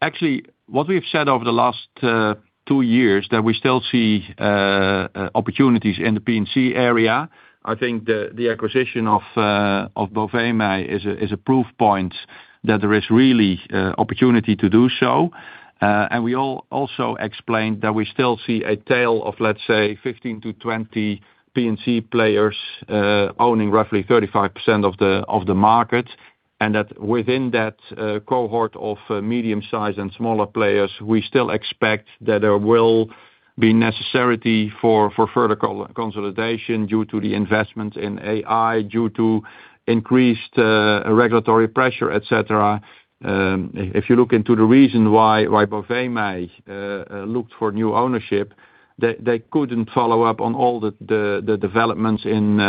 Actually, what we've said over the last two years, that we still see opportunities in the P&C area. I think the acquisition of Bovemij is a proof point that there is really opportunity to do so. And we all also explained that we still see a tail of, let's say, 15-20 P&C players owning roughly 35% of the market. And that within that cohort of medium-sized and smaller players, we still expect that there will be necessary for further consolidation due to the investment in AI, due to increased regulatory pressure, et cetera. If you look into the reason why Bovemij looked for new ownership, they couldn't follow up on all the developments in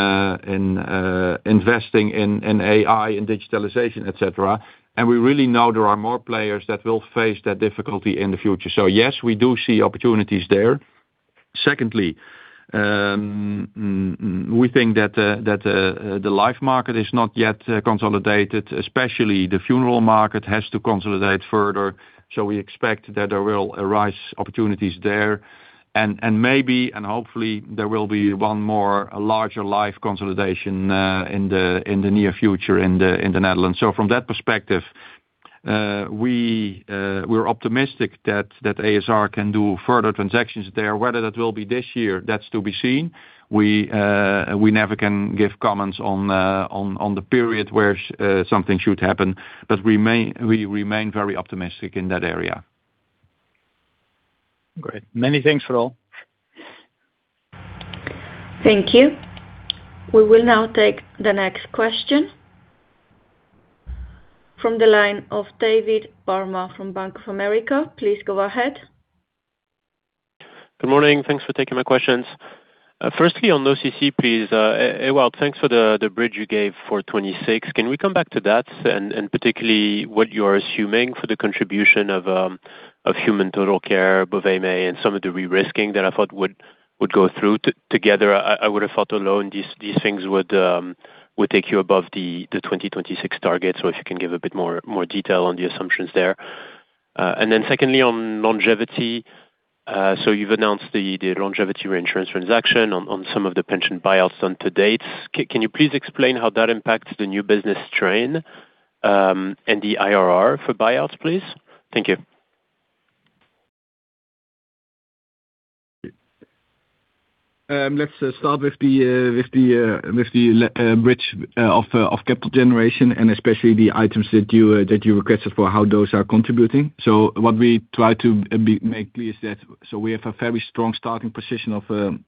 investing in AI, in digitalization, et cetera. And we really know there are more players that will face that difficulty in the future. So yes, we do see opportunities there. Secondly, we think that the life market is not yet consolidated, especially the funeral market has to consolidate further, so we expect that there will arise opportunities there. And maybe, and hopefully, there will be one more, a larger life consolidation in the near future in the Netherlands. So from that perspective, we're optimistic that ASR can do further transactions there. Whether that will be this year, that's to be seen. We never can give comments on the period where something should happen, but we remain very optimistic in that area. Great. Many thanks for all. Thank you. We will now take the next question-- From the line of David Barma from Bank of America. Please go ahead. Good morning. Thanks for taking my questions. Firstly, on OCC, please, Ewout, thanks for the bridge you gave for 2026. Can we come back to that, and particularly what you are assuming for the contribution of HumanTotalCare, Bovemij, and some of the de-risking that I thought would go through together? I would've thought alone, these things would take you above the 2026 target, so if you can give a bit more detail on the assumptions there. And then secondly, on longevity. So you've announced the longevity reinsurance transaction on some of the pension buyouts to date. Can you please explain how that impacts the new business strain, and the IRR for buyouts, please? Thank you. Let's start with the bridge of capital generation, and especially the items that you requested for how those are contributing. What we try to make clear is that we have a very strong starting position of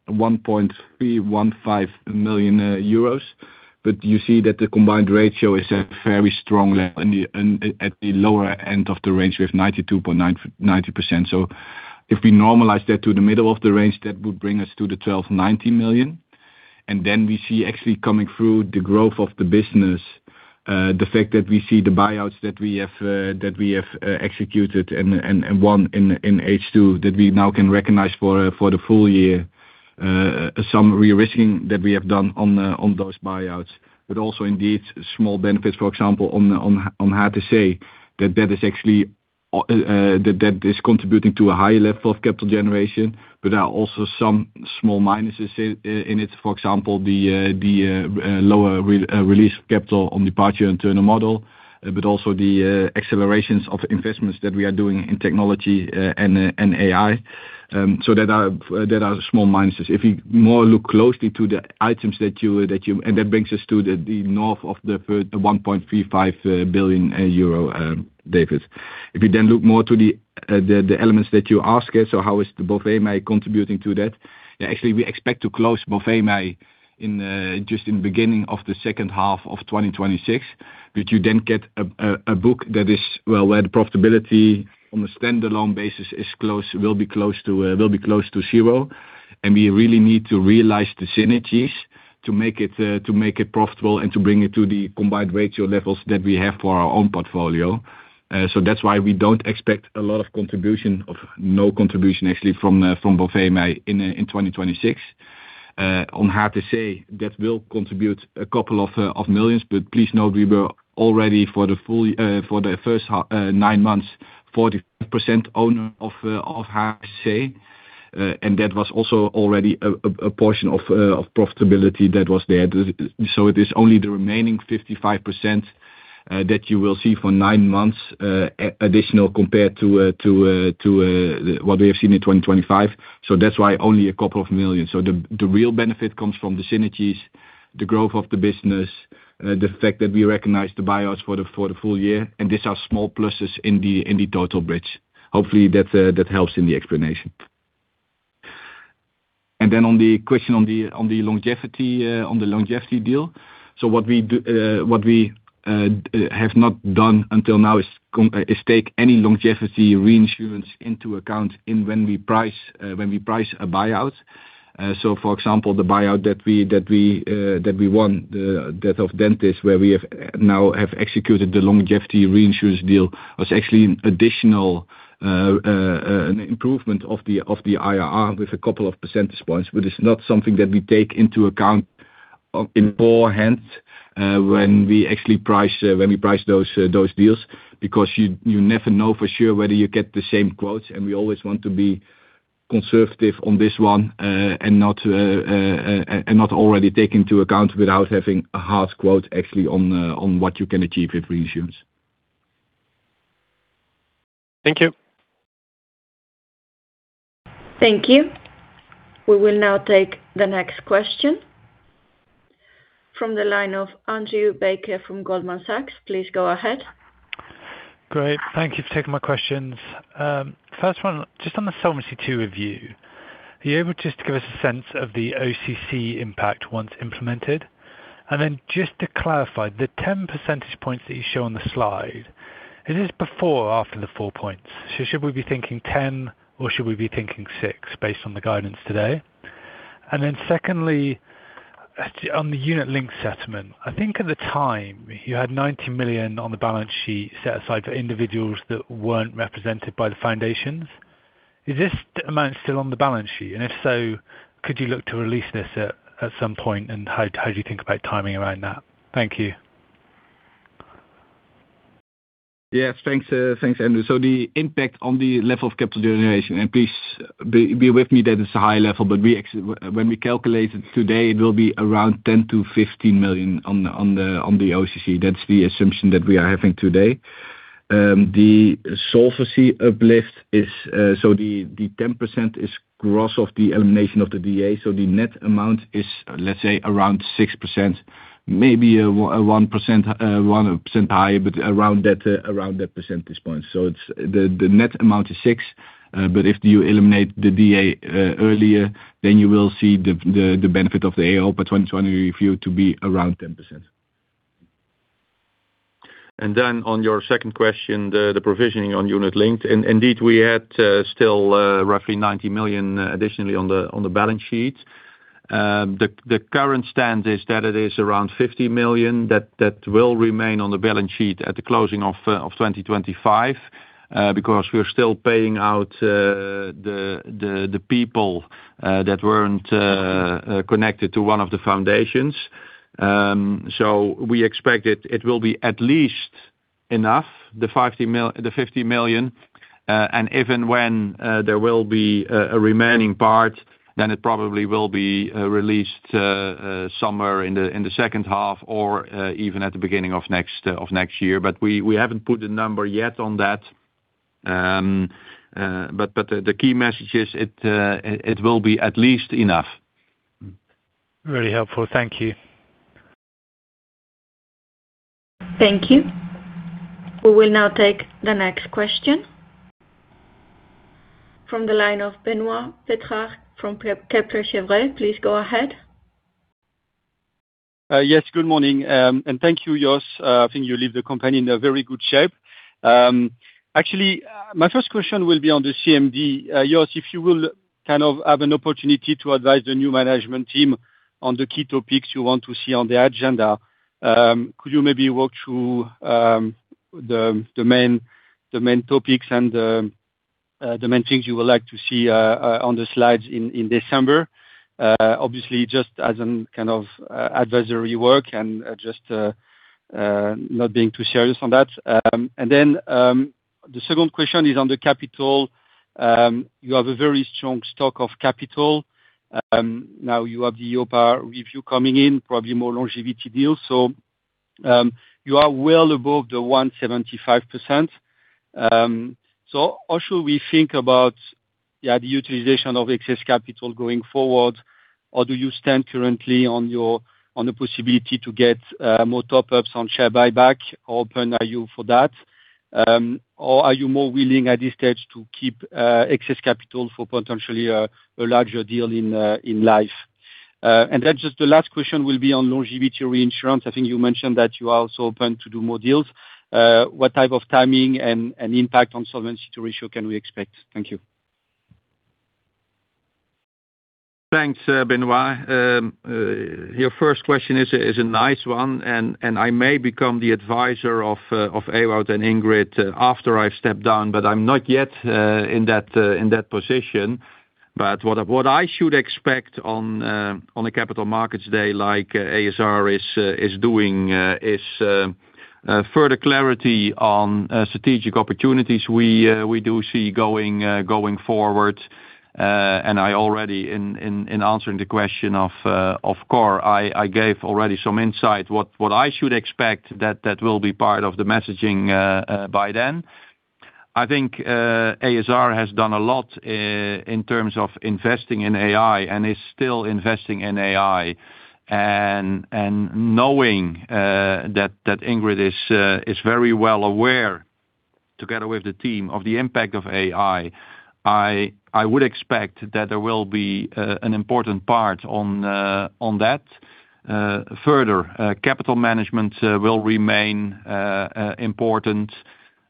1,315 million euros. You see that the combined ratio is at a very strong level at the lower end of the range, we have 92.9%, 90%. If we normalize that to the middle of the range, that would bring us to the 1,290 million. We see actually coming through the growth of the business, the fact that we see the buyouts that we have executed, and one in H2 that we now can recognize for the full year. Some re-risking that we have done on those buyouts, but also indeed, small benefits, for example, on how to say that that is actually contributing to a higher level of capital generation, but there are also some small minuses in it. For example, the lower release of capital on partial internal model, but also the accelerations of investments that we are doing in technology and AI. There are small minuses. If you look more closely to the items that you-- And that brings us to the north of the 1.35 billion euro, David. If you then look more to the elements that you ask, so how is the Bovemij contributing to that? Yeah, actually, we expect to close Bovemij in just in the beginning of the second half of 2026. But you then get a book that is, well, where the profitability on a standalone basis will be close to zero. And we really need to realize the synergies to make it profitable and to bring it to the combined ratio levels that we have for our own portfolio. So that's why we don't expect a lot of contribution or no contribution actually from Bovemij in 2026. Or how to say that will contribute a couple of million, but please know we were already for the full first half nine months 40% owner of [HTC]. And that was also already a portion of profitability that was there. So it is only the remaining 55% that you will see for nine months additional compared to what we have seen in 2025. So that's why only a couple of million. The real benefit comes from the synergies, the growth of the business, the fact that we recognize the buyouts for the full year, and these are small pluses in the total bridge. Hopefully, that helps in the explanation. On the question on the longevity deal, what we do, what we have not done until now is take any longevity reinsurance into account when we price a buyout. For example, the buyout that we won, that of Dentist, where we have now executed the longevity reinsurance deal, was actually an additional improvement of the IRR with a couple of percentage points. But it's not something that we take into account in beforehand, when we actually price, when we price those deals. Because you never know for sure whether you get the same quotes, and we always want to be conservative on this one, and not already take into account without having a hard quote actually on what you can achieve with reinsurers. Thank you. Thank you. We will now take the next question. From the line of Andrew Baker from Goldman Sachs. Please go ahead. Great. Thank you for taking my questions. First one, just on the Solvency II review, are you able just to give us a sense of the OCC impact once implemented? And then just to clarify, the 10 percentage points that you show on the slide, is this before or after the four points? So should we be thinking 10, or should we be thinking six, based on the guidance today? And then secondly, on the unit-linked settlement, I think at the time you had 90 million on the balance sheet set aside for individuals that weren't represented by the foundations. Is this amount still on the balance sheet? And if so, could you look to release this at some point, and how do you think about timing around that? Thank you. Yes. Thanks, thanks, Andrew. So the impact on the level of capital generation, and please be with me, that is a high level, but we actually, when we calculate it today, it will be around 10 million-15 million on the OCC. That's the assumption that we are having today. The solvency uplift is, so the 10% is gross of the elimination of the VA, so the net amount is, let's say, around 6%, maybe a 1% higher, but around that percentage point. So it's the net amount is 6%, but if you eliminate the VA earlier, then you will see the benefit of the EIOPA 2020 review to be around 10%. And then on your second question, the provisioning on unit-linked. Indeed, we had still roughly 90 million additionally on the balance sheet. The current stand is that it is around 50 million that will remain on the balance sheet at the closing of 2025 because we are still paying out the people that weren't connected to one of the foundations. So we expect it will be at least enough, the 50 mil-- the 50 million, and if and when there will be a remaining part, then it probably will be released somewhere in the second half or even at the beginning of next year. But we haven't put a number yet on that. The key message is it will be at least enough. Very helpful. Thank you. Thank you. We will now take the next question from the line of Benoît Pétrarque from Kepler Cheuvreux, please go ahead. Yes, good morning. And thank you, Jos, I think you leave the company in a very good shape. Actually, my first question will be on the CMD. Jos, if you will kind of have an opportunity to advise the new management team on the key topics you want to see on the agenda, could you maybe walk through the main topics and the main things you would like to see on the slides in December? Obviously just as a kind of advisory work and just not being too serious on that. And then the second question is on the capital. You have a very strong stock of capital. Now you have the EIOPA review coming in, probably more longevity deals. So, you are well above the 175%. So how should we think about, yeah, the utilization of excess capital going forward, or do you stand currently on your- on the possibility to get, more top-ups on share buyback? How open are you for that? Or are you more willing, at this stage, to keep, excess capital for potentially a larger deal in, in life? And then just the last question will be on longevity reinsurance. I think you mentioned that you are also open to do more deals. What type of timing and, and impact on solvency ratio can we expect? Thank you. Thanks, Benoît. Your first question is a nice one, and I may become the advisor of Ewout and Ingrid after I step down, but I'm not yet in that position. But what I should expect on the Capital Markets Day, like ASR is doing, is further clarity on strategic opportunities we do see going forward. And I already in answering the question of Cor, I gave already some insight what I should expect that will be part of the messaging by then. I think ASR has done a lot in terms of investing in AI and is still investing in AI. Knowing that Ingrid is very well aware, together with the team, of the impact of AI, I would expect that there will be an important part on that. Further, capital management will remain important.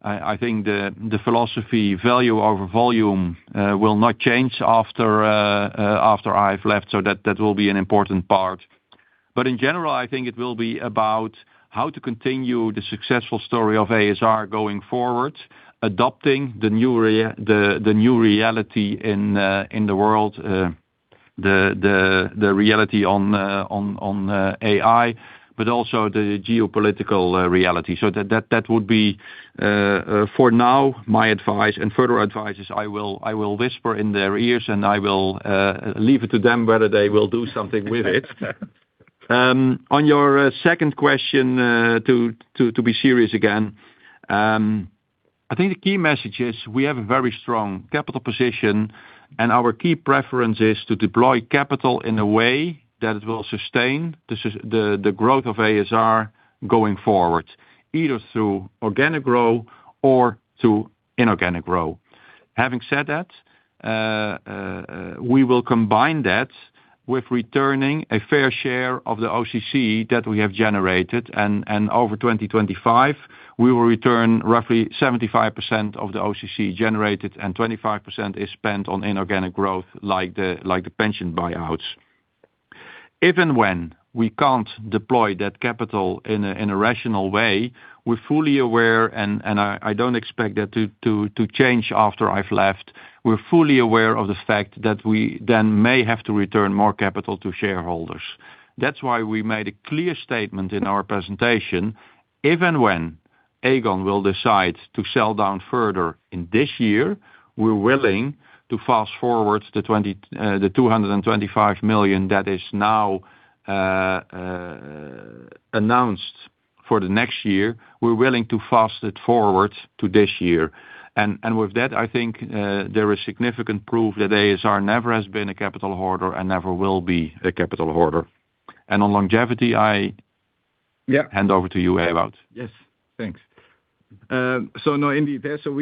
I think the philosophy value over volume will not change after I've left, so that will be an important part. But in general, I think it will be about how to continue the successful story of ASR going forward, adopting the new reality in the world, the reality on AI, but also the geopolitical reality. So that would be, for now, my advice and further advice is I will whisper in their ears, and I will leave it to them whether they will do something with it. On your second question, to be serious again, I think the key message is, we have a very strong capital position, and our key preference is to deploy capital in a way that it will sustain the growth of ASR going forward, either through organic growth or through inorganic growth. Having said that, we will combine that with returning a fair share of the OCC that we have generated, and over 2025, we will return roughly 75% of the OCC generated, and 25% is spent on inorganic growth, like the pension buyouts. If and when we can't deploy that capital in a rational way, we're fully aware, and, I don't expect that to change after I've left. We're fully aware of the fact that we then may have to return more capital to shareholders. That's why we made a clear statement in our presentation, if and when Aegon will decide to sell down further in this year, we're willing to fast forward the 225 million that is now announced for the next year, we're willing to fast it forward to this year. With that, I think there is significant proof that ASR never has been a capital hoarder and never will be a capital hoarder. And on longevity, I hand over to you, Ewout. Yes, thanks. So no, indeed, it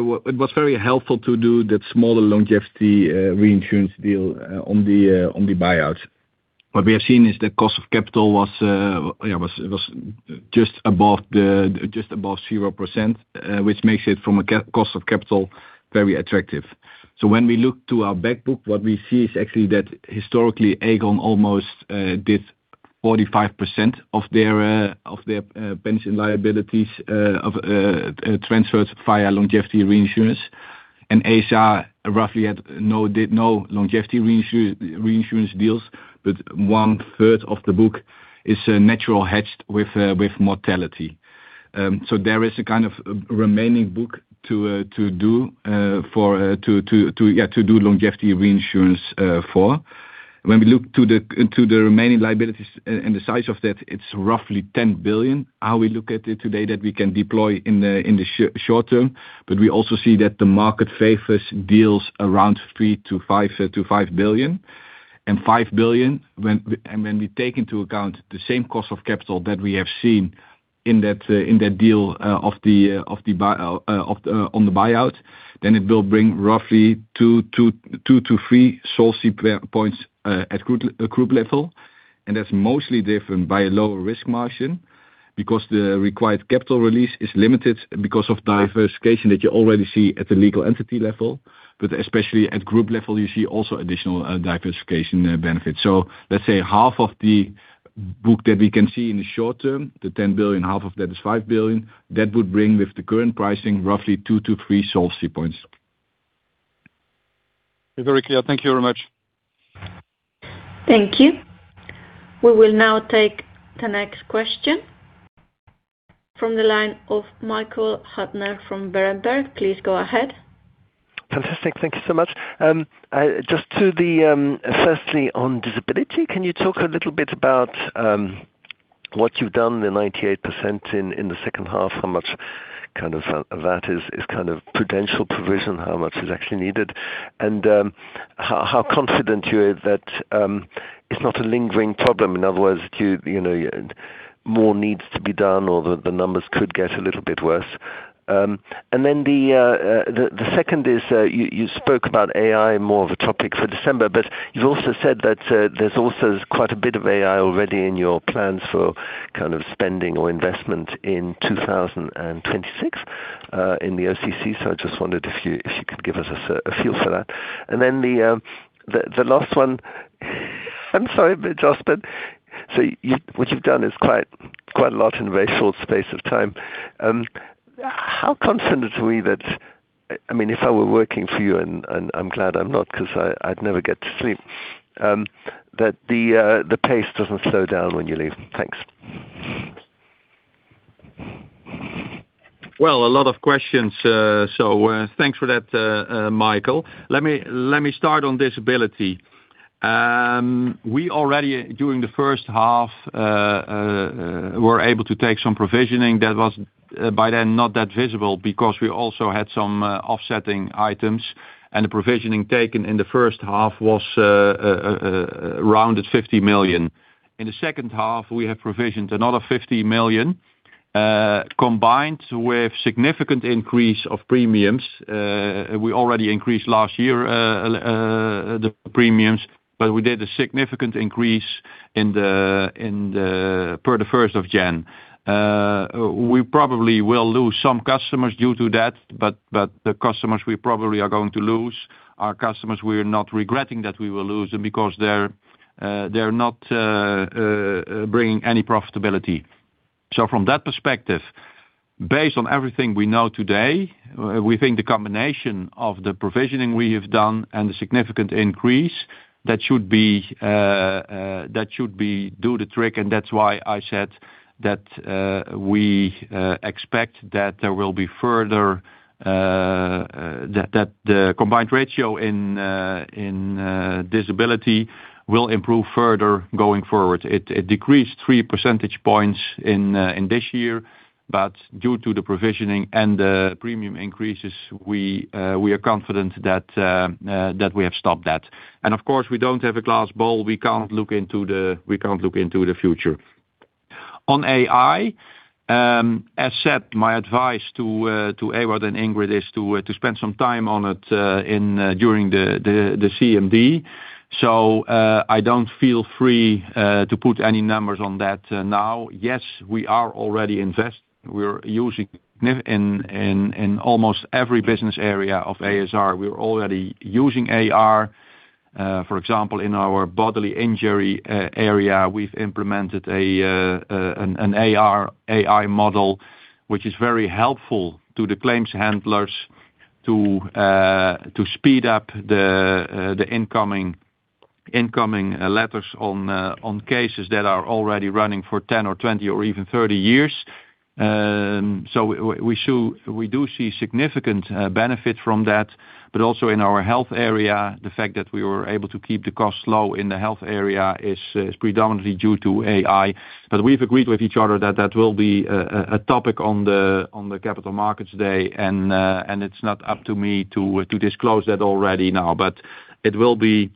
was very helpful to do that smaller longevity reinsurance deal on the buyouts. What we have seen is the cost of capital was just above 0%, which makes it from a cost of capital, very attractive. So when we look to our back book, what we see is actually that historically, Aegon almost did 45% of their pension liabilities transferred via longevity reinsurance. And ASR roughly had no, did no longevity reinsurance deals, but one third of the book is naturally hedged with mortality. So there is a kind of remaining book to do longevity reinsurance for. When we look to the remaining liabilities and the size of that, it's roughly 10 billion. How we look at it today, that we can deploy in the short term, but we also see that the market favors deals around three to 5 billion. And 5 billion, when we take into account the same cost of capital that we have seen in that deal of the buyout, then it will bring roughly 2-3 Solvency points at group level. And that's mostly different by a lower risk margin, because the required capital release is limited because of diversification that you already see at the legal entity level. But especially at group level, you see also additional diversification benefits. So let's say half of the book that we can see in the short term, the 10 billion, half of that is 5 billion, that would bring with the current pricing, roughly 2-3 Solvency points. Very clear. Thank you very much. Thank you. We will now take the next question from the line of Michael Huttner from Berenberg. Please go ahead. Fantastic. Thank you so much. I just to the, firstly, on disability, can you talk a little bit about what you've done, the 98% in the second half? How much kind of that is kind of potential provision, how much is actually needed? And how confident you are that it's not a lingering problem? In other words, do you, you know, more needs to be done, or the numbers could get a little bit worse. And then the second is, you spoke about AI more of a topic for December, but you've also said that there's also quite a bit of AI already in your plans for kind of spending or investment in 2026, in the OCC. So I just wondered if you could give us a feel for that. And then the last one, I'm sorry, but Jos, so what you've done is quite a lot in a very short space of time. How confident are we that-- I mean, if I were working for you, and I'm glad I'm not, 'cause I'd never get to sleep, that the pace doesn't slow down when you leave. Thanks. Well, a lot of questions. So, thanks for that, Michael. Let me start on disability. We already, during the first half, were able to take some provisioning that was, by then, not that visible, because we also had some offsetting items, and the provisioning taken in the first half was around 50 million. In the second half, we have provisioned another 50 million, combined with significant increase of premiums. We already increased last year the premiums, but we did a significant increase per the first of January. We probably will lose some customers due to that, but the customers we probably are going to lose are customers we're not regretting that we will lose them because they're not bringing any profitability. From that perspective, based on everything we know today, we think the combination of the provisioning we have done and the significant increase should do the trick, and that's why I said that we expect that there will be further, that the combined ratio in disability will improve further going forward. It decreased 3 percentage points in this year, but due to the provisioning and the premium increases, we are confident that we have stopped that. Of course, we don't have a glass ball. We can't look into the future. On AI, as said, my advice to Ewout and Ingrid is to spend some time on it during the CMD. So, I don't feel free to put any numbers on that now. Yes, we are already using in almost every business area of ASR, we're already using AR. For example, in our bodily injury area, we've implemented an AR-- AI model, which is very helpful to the claims handlers to speed up the incoming letters on cases that are already running for 10 or 20 or even 30 years. So, we do see significant benefit from that, but also in our health area, the fact that we were able to keep the costs low in the health area is predominantly due to AI. But we've agreed with each other that that will be a topic on the Capital Markets Day, and it's not up to me to disclose that already now, but it will be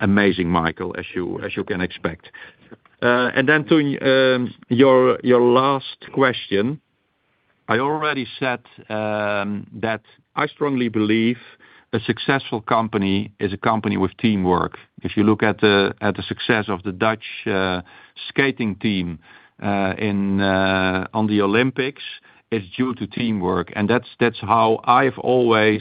amazing, Michael, as you can expect. And then to your last question, I already said that I strongly believe a successful company is a company with teamwork. If you look at the success of the skating team in the Olympics, it's due to teamwork, and that's how I've always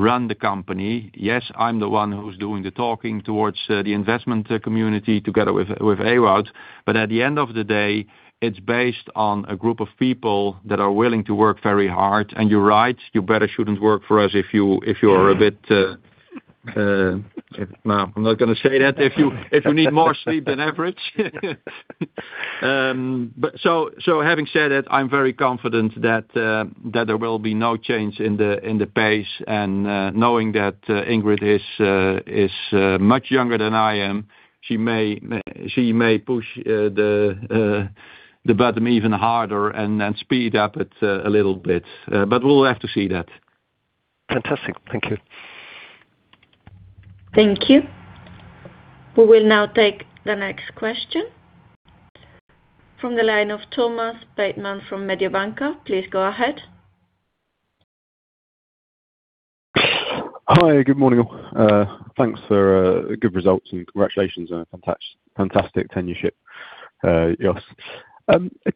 run the company. Yes, I'm the one who's doing the talking towards the investment community together with Ewout, but at the end of the day, it's based on a group of people that are willing to work very hard. You're right, you better shouldn't work for us if you're a bit, no, I'm not gonna say that. If you need more sleep than average. But so, having said that, I'm very confident that there will be no change in the pace, and knowing that Ingrid is much younger than I am, she may push the button even harder and then speed up it a little bit. But we'll have to see that. Fantastic. Thank you. Thank you. We will now take the next question from the line of Thomas Bateman from Mediobanca. Please go ahead. Hi, good morning, all. Thanks for good results, and congratulations on a fantastic tenure, Jos.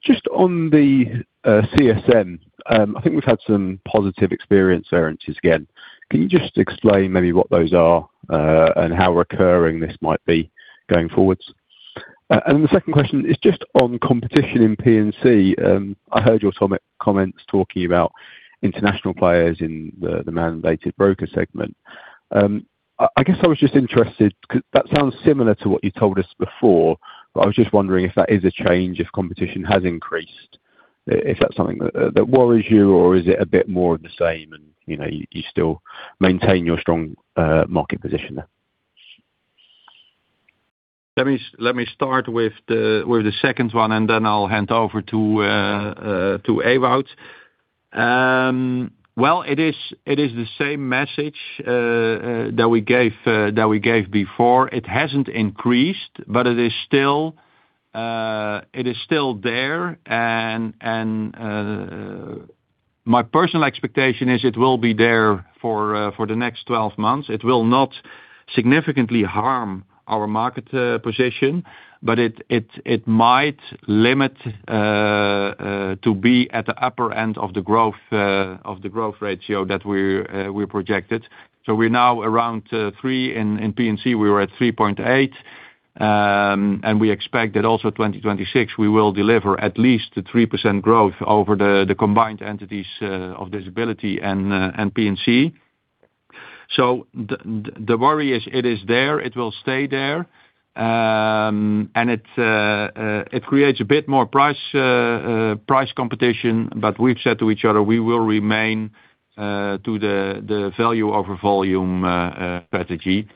Just on the CSM, I think we've had some positive experience there, and just again, can you just explain maybe what those are, and how recurring this might be going forward? And the second question is just on competition in P&C. I heard you some comments talking about international players in the mandated broker segment. I guess I was just interested, 'cause that sounds similar to what you told us before, but I was just wondering if that is a change, if competition has increased, if that's something that worries you, or is it a bit more of the same and, you know, you still maintain your strong market position there? Let me start with the second one, and then I'll hand over to Ewout. Well, it is the same message that we gave before. It hasn't increased, but it is still there. My personal expectation is it will be there for the next 12 months. It will not significantly harm our market position, but it might limit to be at the upper end of the growth of the growth ratio that we projected. So we're now around 3%. In P&C, we were at 3.8%. We expect that also in 2026, we will deliver at least a 3% growth over the combined entities of disability and P&C. The worry is it is there, it will stay there, it creates a bit more price competition, but we've said to each other, we will remain to the value over volume strategy.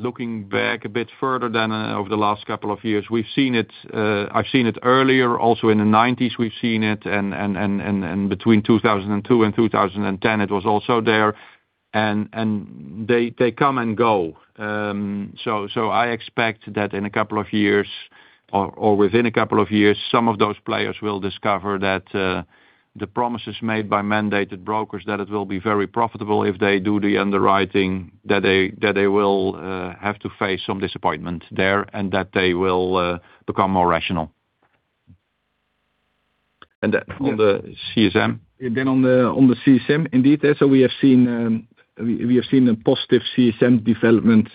Looking back a bit further than over the last couple of years, we've seen it. I've seen it earlier also in the 1990s, we've seen it, and between 2002 and 2010, it was also there, and they come and go. So, I expect that in a couple of years or, or within a couple of years, some of those players will discover that, the promises made by mandated brokers, that it will be very profitable if they do the underwriting, that they, that they will, have to face some disappointment there, and that they will, become more rational. And on the CSM? On the CSM, indeed, yeah, we have seen a positive CSM development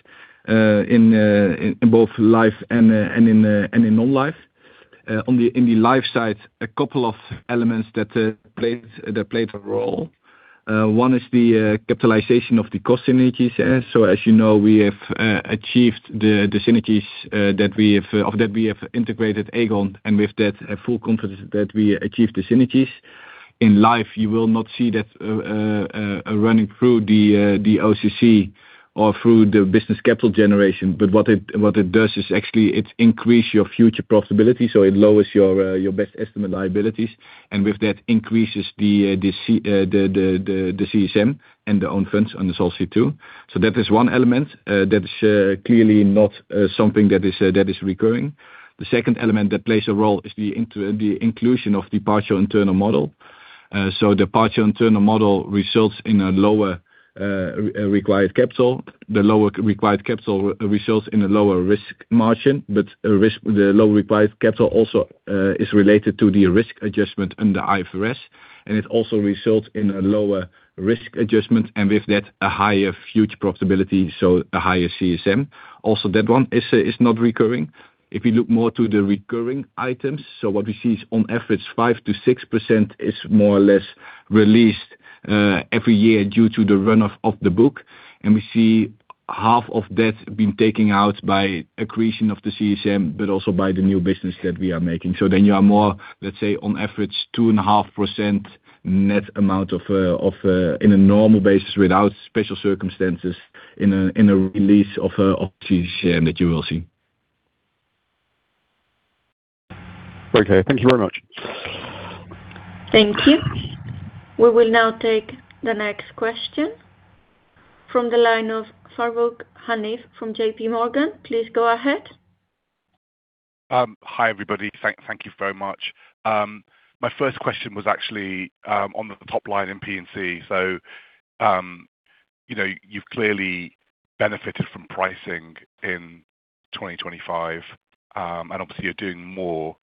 in both life and in non-life. On the life side, a couple of elements played a role. One is the capitalization of the cost synergies. As you know, we have achieved the synergies that we have, of that we have integrated Aegon, and with that, a full confidence that we achieved the synergies. In life, you will not see that running through the OCC or through the business capital generation, but what it does is actually it increases your future profitability, so it lowers your best estimate liabilities, and with that increases the CSM and the own funds on the Solvency II. That is one element that is clearly not something that is recurring. The second element that plays a role is the inclusion of the partial internal model. The partial internal model results in a lower required capital. The lower required capital results in a lower risk margin, but a risk, the lower required capital also is related to the risk adjustment under IFRS, and it also results in a lower risk adjustment, and with that, a higher future profitability, so a higher CSM. Also, that one is not recurring. If you look more to the recurring items, so what we see is on average, 5%-6% is more or less released every year due to the run-off of the book. And we see half of that being taken out by accretion of the CSM, but also by the new business that we are making. So then you are more, let's say, on average, 2.5% net amount of in a normal basis, without special circumstances, in a release of CSM that you will see. Okay. Thank you very much. Thank you. We will now take the next question from the line of Farooq Hanif from J.P. Morgan. Please go ahead. Hi, everybody. Thank you very much. My first question was actually on the top line in P&C. You know, you've clearly benefited from pricing in 2025, and obviously you're doing more,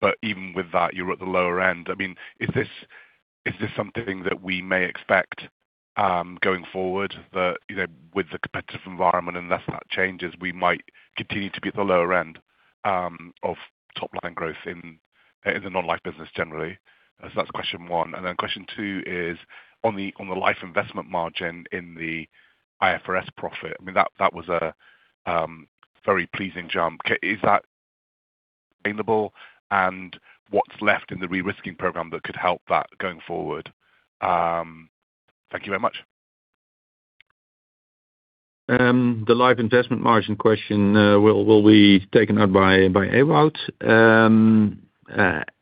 but even with that, you're at the lower end. I mean, is this something that we may expect going forward, that, you know, with the competitive environment, and as that changes, we might continue to be at the lower end of top-line growth in the non-life business generally? That's question one. Then question two is, on the life investment margin in the IFRS profit, I mean, that was a very pleasing jump. Is that sustainable? What's left in the de-risking program that could help that going forward? Thank you very much. The live investment margin question will be taken up by Ewout.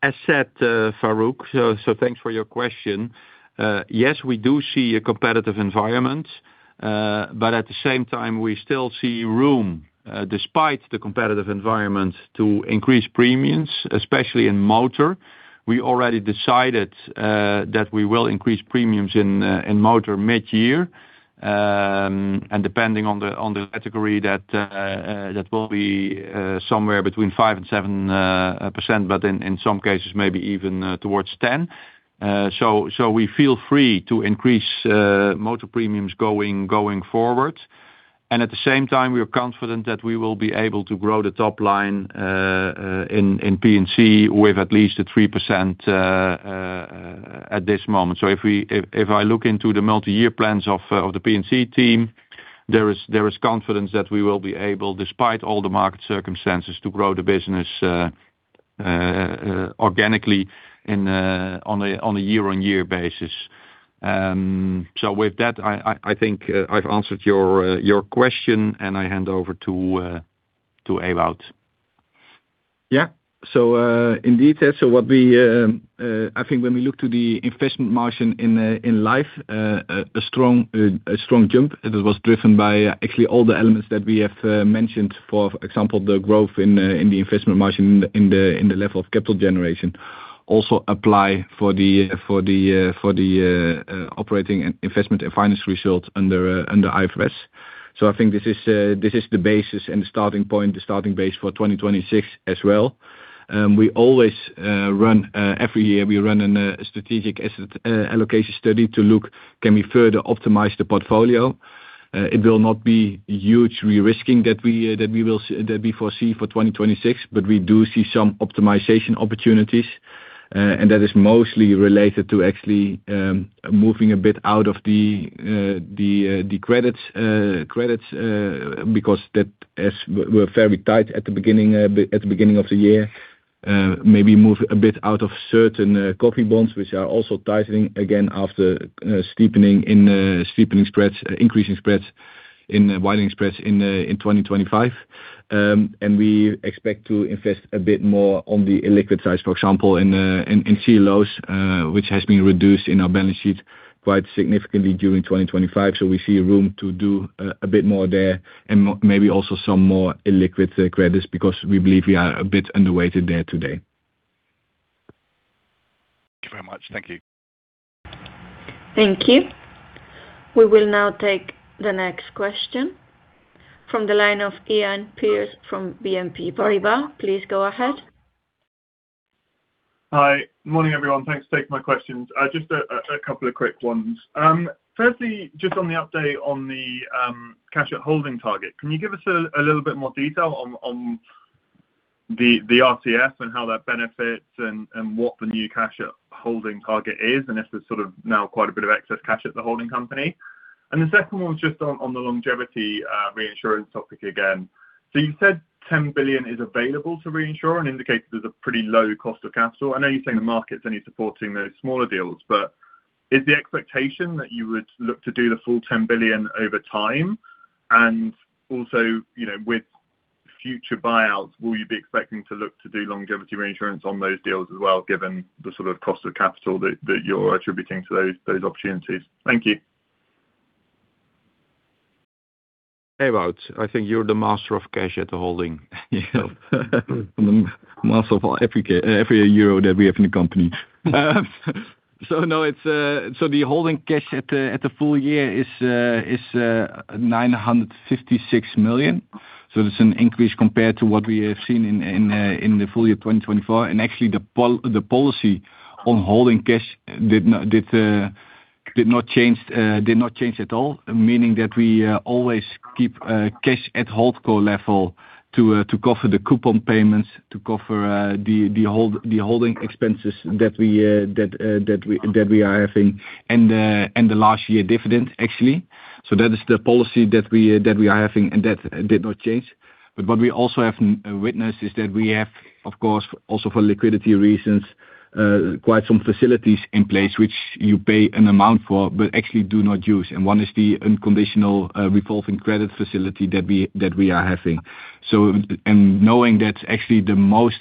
As said, Farooq, thanks for your question. Yes, we do see a competitive environment, but at the same time, we still see room, despite the competitive environment, to increase premiums, especially in motor. We already decided that we will increase premiums in motor mid-year, and depending on the category, that will be somewhere between 5%-7%, but in some cases, maybe even towards 10%. We feel free to increase motor premiums going forward. And at the same time, we are confident that we will be able to grow the top line in P&C with at least 3% at this moment. So if I look into the multi-year plans of the P&C team, there is confidence that we will be able, despite all the market circumstances, to grow the business organically on a year-on-year basis. So with that, I think I've answered your question, and I hand over to Ewout. Yeah. So, in detail, so what we, I think when we look to the investment margin in, in life, a strong, a strong jump, it was driven by actually all the elements that we have mentioned. For example, the growth in, in the investment margin in the level of capital generation also apply for the, operating and investment and finance results under IFRS. So I think this is the basis and the starting point, the starting base for 2026 as well. We always, run, every year, we run an, strategic asset, allocation study to look, can we further optimize the portfolio? It will not be huge risking that we foresee for 2026, but we do see some optimization opportunities, and that is mostly related to actually moving a bit out of the credits because that as were very tight at the beginning of the year. Maybe move a bit out of certain govvie bonds, which are also tightening again after steepening in steepening spreads, increasing spreads in widening spreads in 2025. And we expect to invest a bit more on the illiquid side, for example, in CLOs, which has been reduced in our balance sheet quite significantly during 2025. We see room to do a bit more there, and maybe also some more illiquid credits, because we believe we are a bit underrated there today. Thank you very much. Thank you. Thank you. We will now take the next question from the line of Iain Pearce from BNP Paribas. Please go ahead. Hi. Good morning, everyone. Thanks for taking my questions. Just a couple of quick ones. Firstly, just on the update on the cash at holding target. Can you give us a little bit more detail on the RCF and how that benefits and what the new cash at holding target is, and if there's sort of now quite a bit of excess cash at the holding company? And the second one, just on the longevity reinsurance topic again. So you said 10 billion is available to reinsure and indicated there's a pretty low cost of capital. I know you're saying the market's only supporting those smaller deals, but is the expectation that you would look to do the full 10 billion over time? And also, you know, with future buyouts, will you be expecting to look to do longevity reinsurance on those deals as well, given the sort of cost of capital that, that you're attributing to those, those opportunities? Thank you. Ewout, I think you're the master of cash at the holding. Master of all every ca-- every euro that we have in the company. So no, it's, so the holding cash at the, at the full year is 956 million. It's an increase compared to what we have seen in the full year 2024. Actually, the policy on holding cash did not change, did not change at all, meaning that we always keep cash at holdco level to cover the coupon payments, to cover the holding expenses that we are having, and the last year dividend, actually. That is the policy that we are having, and that did not change. What we also have witnessed is that we have, of course, also for liquidity reasons, quite some facilities in place, which you pay an amount for, but actually do not use, and one is the unconditional, revolving credit facility that we are having. Knowing that's actually the most,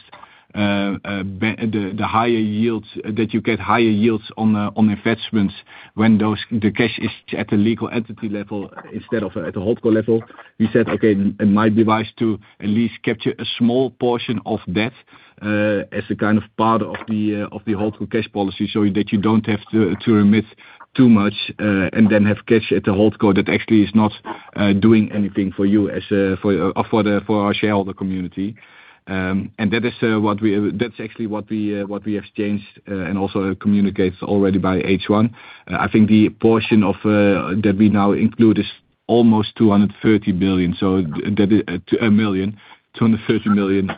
the higher yields, that you get higher yields on investments when the cash is at the legal entity level instead of at the holdco level, we said, "Okay, it might be wise to at least capture a small portion of that, as a kind of part of the holdco cash policy, so that you don't have to remit too much, and then have cash at the holdco that actually is not doing anything for you as, for our shareholder community." And that is what we have... That's actually what we have changed, and also communicates already by H1. I think the portion of, that we now include is almost 230 billion, so that is, a million, 230 million, of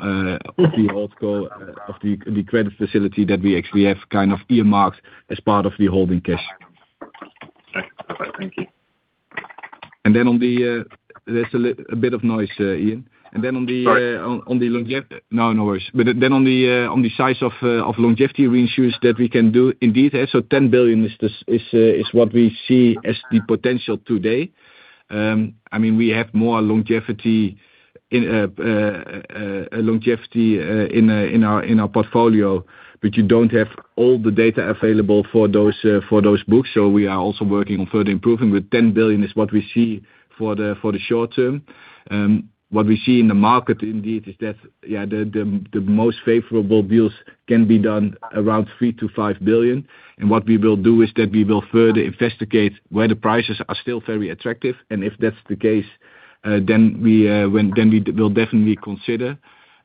the holdco, of the, the credit facility that we actually have kind of earmarked as part of the holding cash. Okay. Thank you. There's a bit of noise, Ian. And then on the-- Sorry. On the longevity—no worries. On the size of longevity reinsures that we can do, indeed, 10 billion is what we see as the potential today. I mean, we have more longevity in our portfolio, but you don't have all the data available for those books. We are also working on further improving, but 10 billion is what we see for the short term. What we see in the market indeed is that the most favorable deals can be done around 3 billion-5 billion. What we will do is that we will further investigate where the prices are still very attractive, and if that's the case, then we will definitely consider,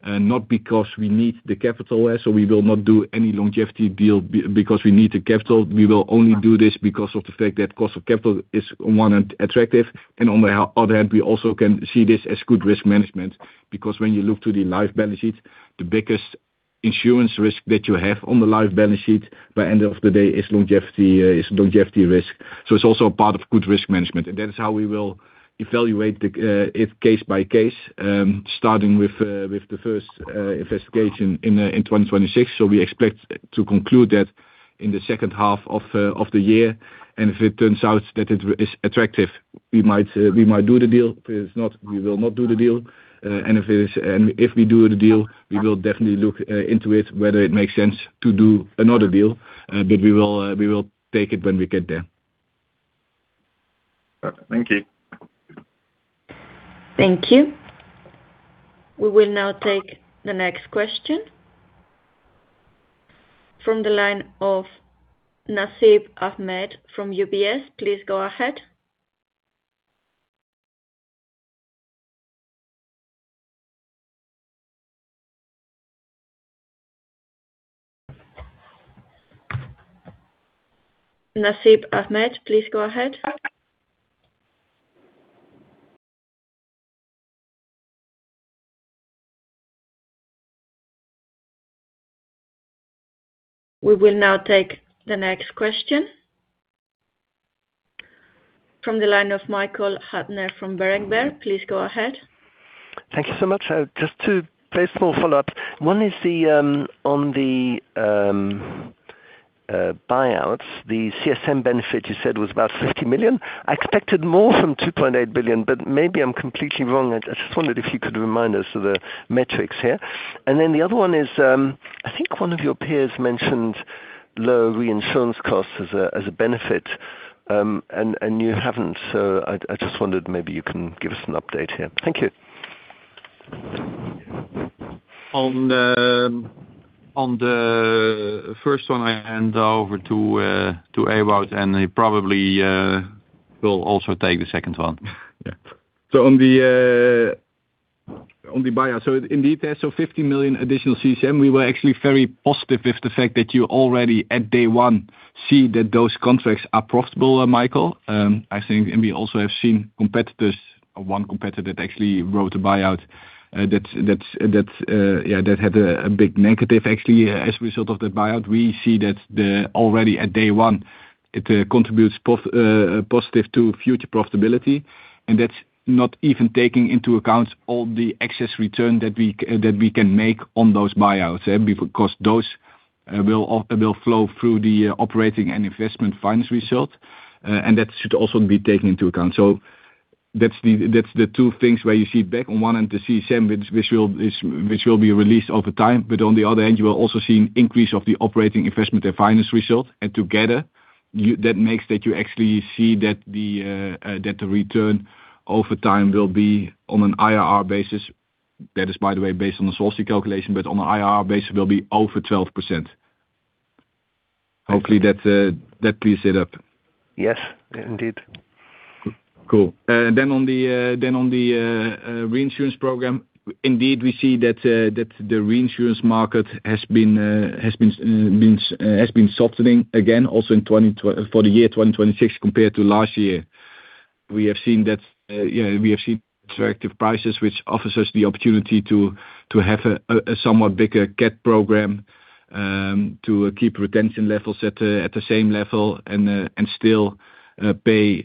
not because we need the capital. So we will not do any longevity deal because we need the capital. We will only do this because of the fact that cost of capital is, on one hand, attractive, and on the other hand, we also can see this as good risk management. Because when you look to the life balance sheet, the biggest insurance risk that you have on the life balance sheet, by end of the day, is longevity risk. So it's also a part of good risk management. That is how we will evaluate the case by case, starting with the first investigation in 2026. We expect to conclude that in the second half of the year, and if it turns out that it is attractive, we might do the deal. If it's not, we will not do the deal. If it is, and if we do the deal, we will definitely look into it, whether it makes sense to do another deal, but we will take it when we get there. Thank you. Thank you. We will now take the next question. From the line of Nasib Ahmed from UBS. Please go ahead. Nasib Ahmed, please go ahead. We will now take the next question. From the line of Michael Huttner from Berenberg. Please go ahead. Thank you so much. Just to play a small follow-up. One is the, on the buyouts, the CSM benefit you said was about 50 million. I expected more from 2.8 billion, but maybe I'm completely wrong. I just wondered if you could remind us of the metrics here. Then the other one is, I think one of your peers mentioned low reinsurance costs as a benefit, and you haven't. I just wondered maybe you can give us an update here. Thank you. On the first one, I hand over to Ewout, and he probably will also take the second one. Yeah. So on the buyout. So indeed, there's 50 million additional CSM. We were actually very positive with the fact that you already, at day one, see that those contracts are profitable, Michael. I think, and we also have seen competitors, or one competitor that actually wrote a buyout, that's yeah, that had a big negative actually, as a result of the buyout. We see that already at day one, it contributes positive to future profitability. And that's not even taking into account all the excess return that we can make on those buyouts. And because those will flow through the operating and investment finance result, and that should also be taken into account. So that's the two things where you see back on one, and the CSM, which will be released over time. But on the other hand, you are also seeing increase of the operating investment and finance result. And together, that makes that you actually see that the return over time will be on an IRR basis. That is, by the way, based on the sources calculation, but on the IRR basis will be over 12%. Hopefully that clears it up. Yes, indeed. Cool. On the reinsurance program, indeed, we see that the reinsurance market has been softening again, also in 2026, compared to last year. We have seen that, yeah, we have seen attractive prices, which offers us the opportunity to have a somewhat bigger cat program, to keep retention levels at the same level, and still pay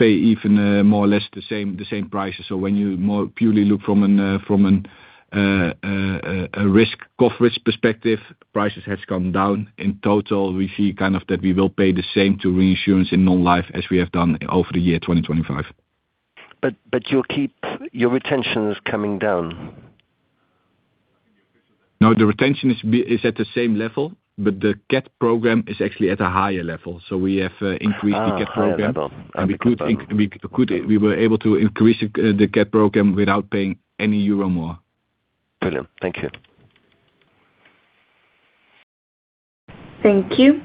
even more or less the same prices. When you more purely look from a risk, gross risk perspective, prices have come down. In total, we see kind of that we will pay the same to reinsurance in non-life as we have done over the year 2025. But, but you'll keep your retention is coming down? No, the retention is at the same level, but the cat program is actually at a higher level. So we have increased the cat program. Ah, I understand. And we were able to increase the cat program without paying any euro more. Brilliant. Thank you. Thank you.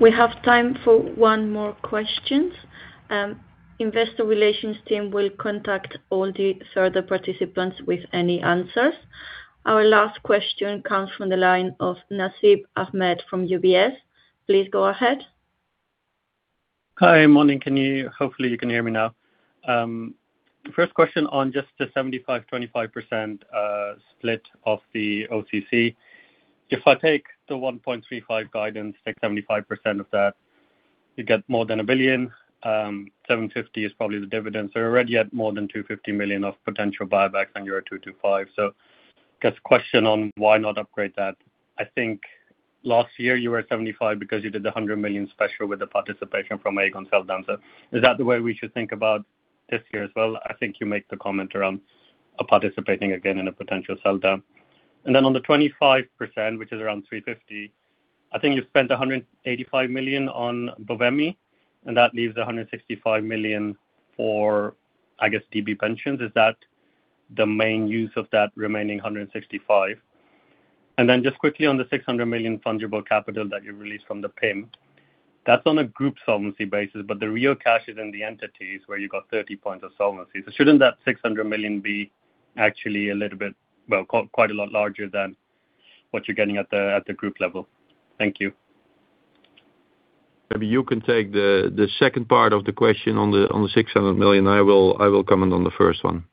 We have time for one more question. Investor relations team will contact all the further participants with any answers. Our last question comes from the line of Nasib Ahmed from UBS. Please go ahead. Hi, morning. Can you-- Hopefully, you can hear me now. First question on just the 75%-25% split of the OCC. If I take the 1.35 billion guidance, take 75% of that, you get more than 1 billion. 750 million is probably the dividend. So we're already at more than 250 million of potential buybacks on your euro 225 million. Just question on why not upgrade that? I think last year you were at 75% because you did the 100 million special with the participation from Aegon sell down. So is that the way we should think about this year as well? I think you make the comment around participating again in a potential sell down. And then on the 25%, which is around 350 million, I think you spent 185 million on Bovemij, and that leaves 165 million for, I guess, DB pensions. Is that the main use of that remaining 165 million? And then just quickly on the 600 million fungible capital that you released from the PIM. That's on a group solvency basis, but the real cash is in the entities where you got 30 points of solvency. So shouldn't that 600 million be actually a little bit, well, quite a lot larger than what you're getting at the group level? Thank you. Maybe you can take the second part of the question on the 600 million. I will comment on the first one.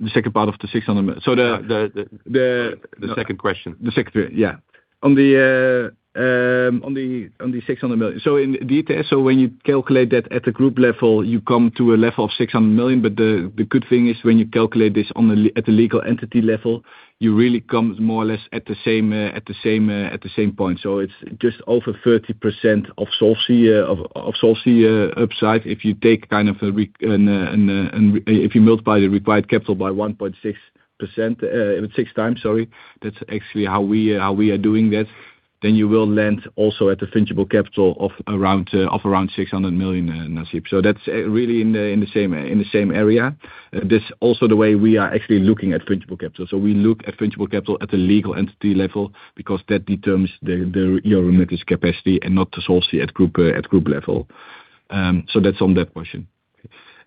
The second part of the 600 million-- So the-- The second question. The second, yeah. On the 600 million. So in detail, so when you calculate that at the group level, you come to a level of 600 million, but the good thing is, when you calculate this on a le- at the legal entity level, you really come more or less at the same point. So it's just over 30% of Solvency upside. If you take kind of a re- and, and, and if you multiply the required capital by 1.6%, 6x, sorry, that's actually how we are doing that, then you will land also at the fungible capital of around 600 million, Nasib. So that's really in the same area. This is also the way we are actually looking at fungible capital. So we look at fungible capital at the legal entity level, because that determines our remittance capacity and not the solvency at group level. So that's on that question.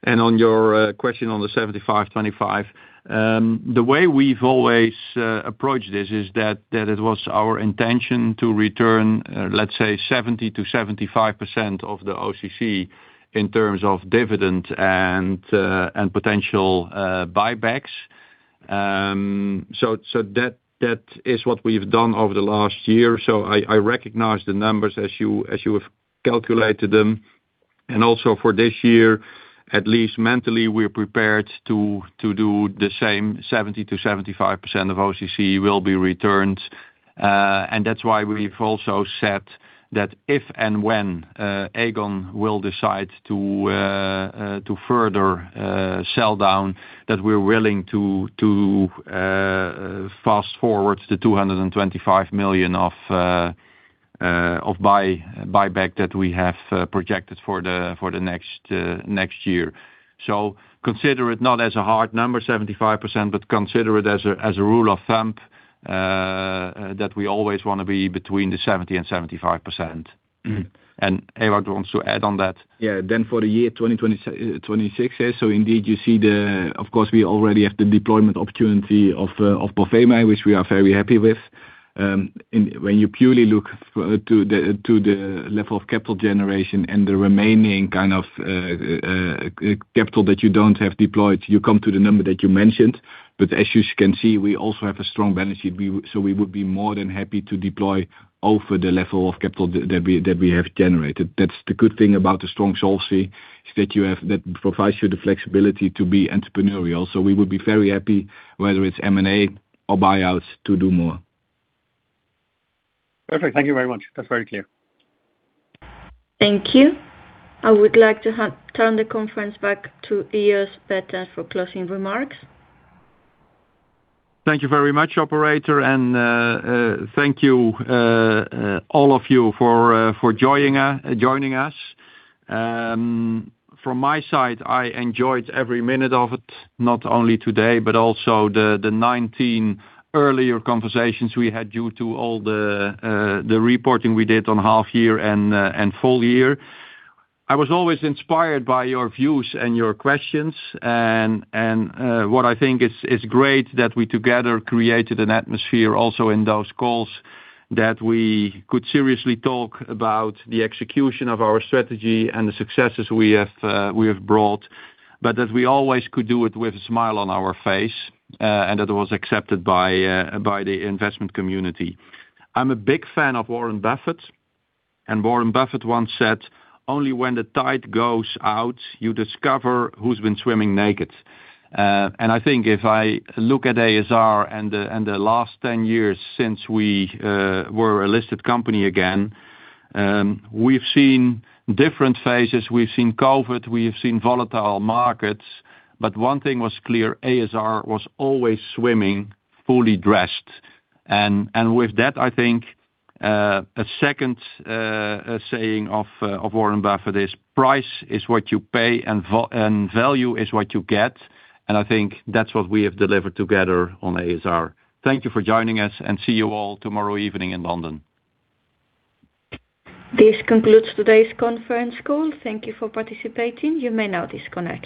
On your question on the 75%-25%. The way we've always approached this is that it was our intention to return, let's say 70%-75% of the OCC in terms of dividend and and potential buybacks. So that is what we've done over the last year. So I recognize the numbers as you have calculated them, and also for this year, at least mentally, we're prepared to do the same, 70%-75% of OCC will be returned. And that's why we've also said that if and when Aegon will decide to further sell down, that we're willing to fast forward the 225 million of buyback that we have projected for the next year. So consider it not as a hard number, 75%, but consider it as a rule of thumb that we always wanna be between 70% and 75%. And Ewout wants to add on that. Yeah, then for the year 2026, yes, so indeed, you see the-- Of course, we already have the deployment opportunity of Bovemij, which we are very happy with. And when you purely look to the level of capital generation and the remaining kind of capital that you don't have deployed, you come to the number that you mentioned, but as you can see, we also have a strong balance sheet. We, so we would be more than happy to deploy over the level of capital that we, that we have generated. That's the good thing about the strong solvency, is that you have, that provides you the flexibility to be entrepreneurial. So we would be very happy, whether it's M&A or buyouts, to do more. Perfect. Thank you very much. That's very clear. Thank you. I would like to turn the conference back to Jos Baeten for closing remarks. Thank you very much, operator, and thank you all of you for joining us, joining us. From my side, I enjoyed every minute of it, not only today, but also the 19 earlier conversations we had due to all the reporting we did on half year and full year. I was always inspired by your views and your questions, and what I think is great that we together created an atmosphere also in those calls, that we could seriously talk about the execution of our strategy and the successes we have brought, but that we always could do it with a smile on our face, and that was accepted by the investment community. I'm a big fan of Warren Buffett, and Warren Buffett once said, "Only when the tide goes out, you discover who's been swimming naked." And I think if I look at ASR and the last 10 years since we were a listed company again, we've seen different phases. We've seen COVID, we have seen volatile markets, but one thing was clear, ASR was always swimming fully dressed. And with that, I think a second saying of Warren Buffett is, "Price is what you pay, and value is what you get." And I think that's what we have delivered together on ASR. Thank you for joining us, and see you all tomorrow evening in London. This concludes today's conference call. Thank you for participating. You may now disconnect.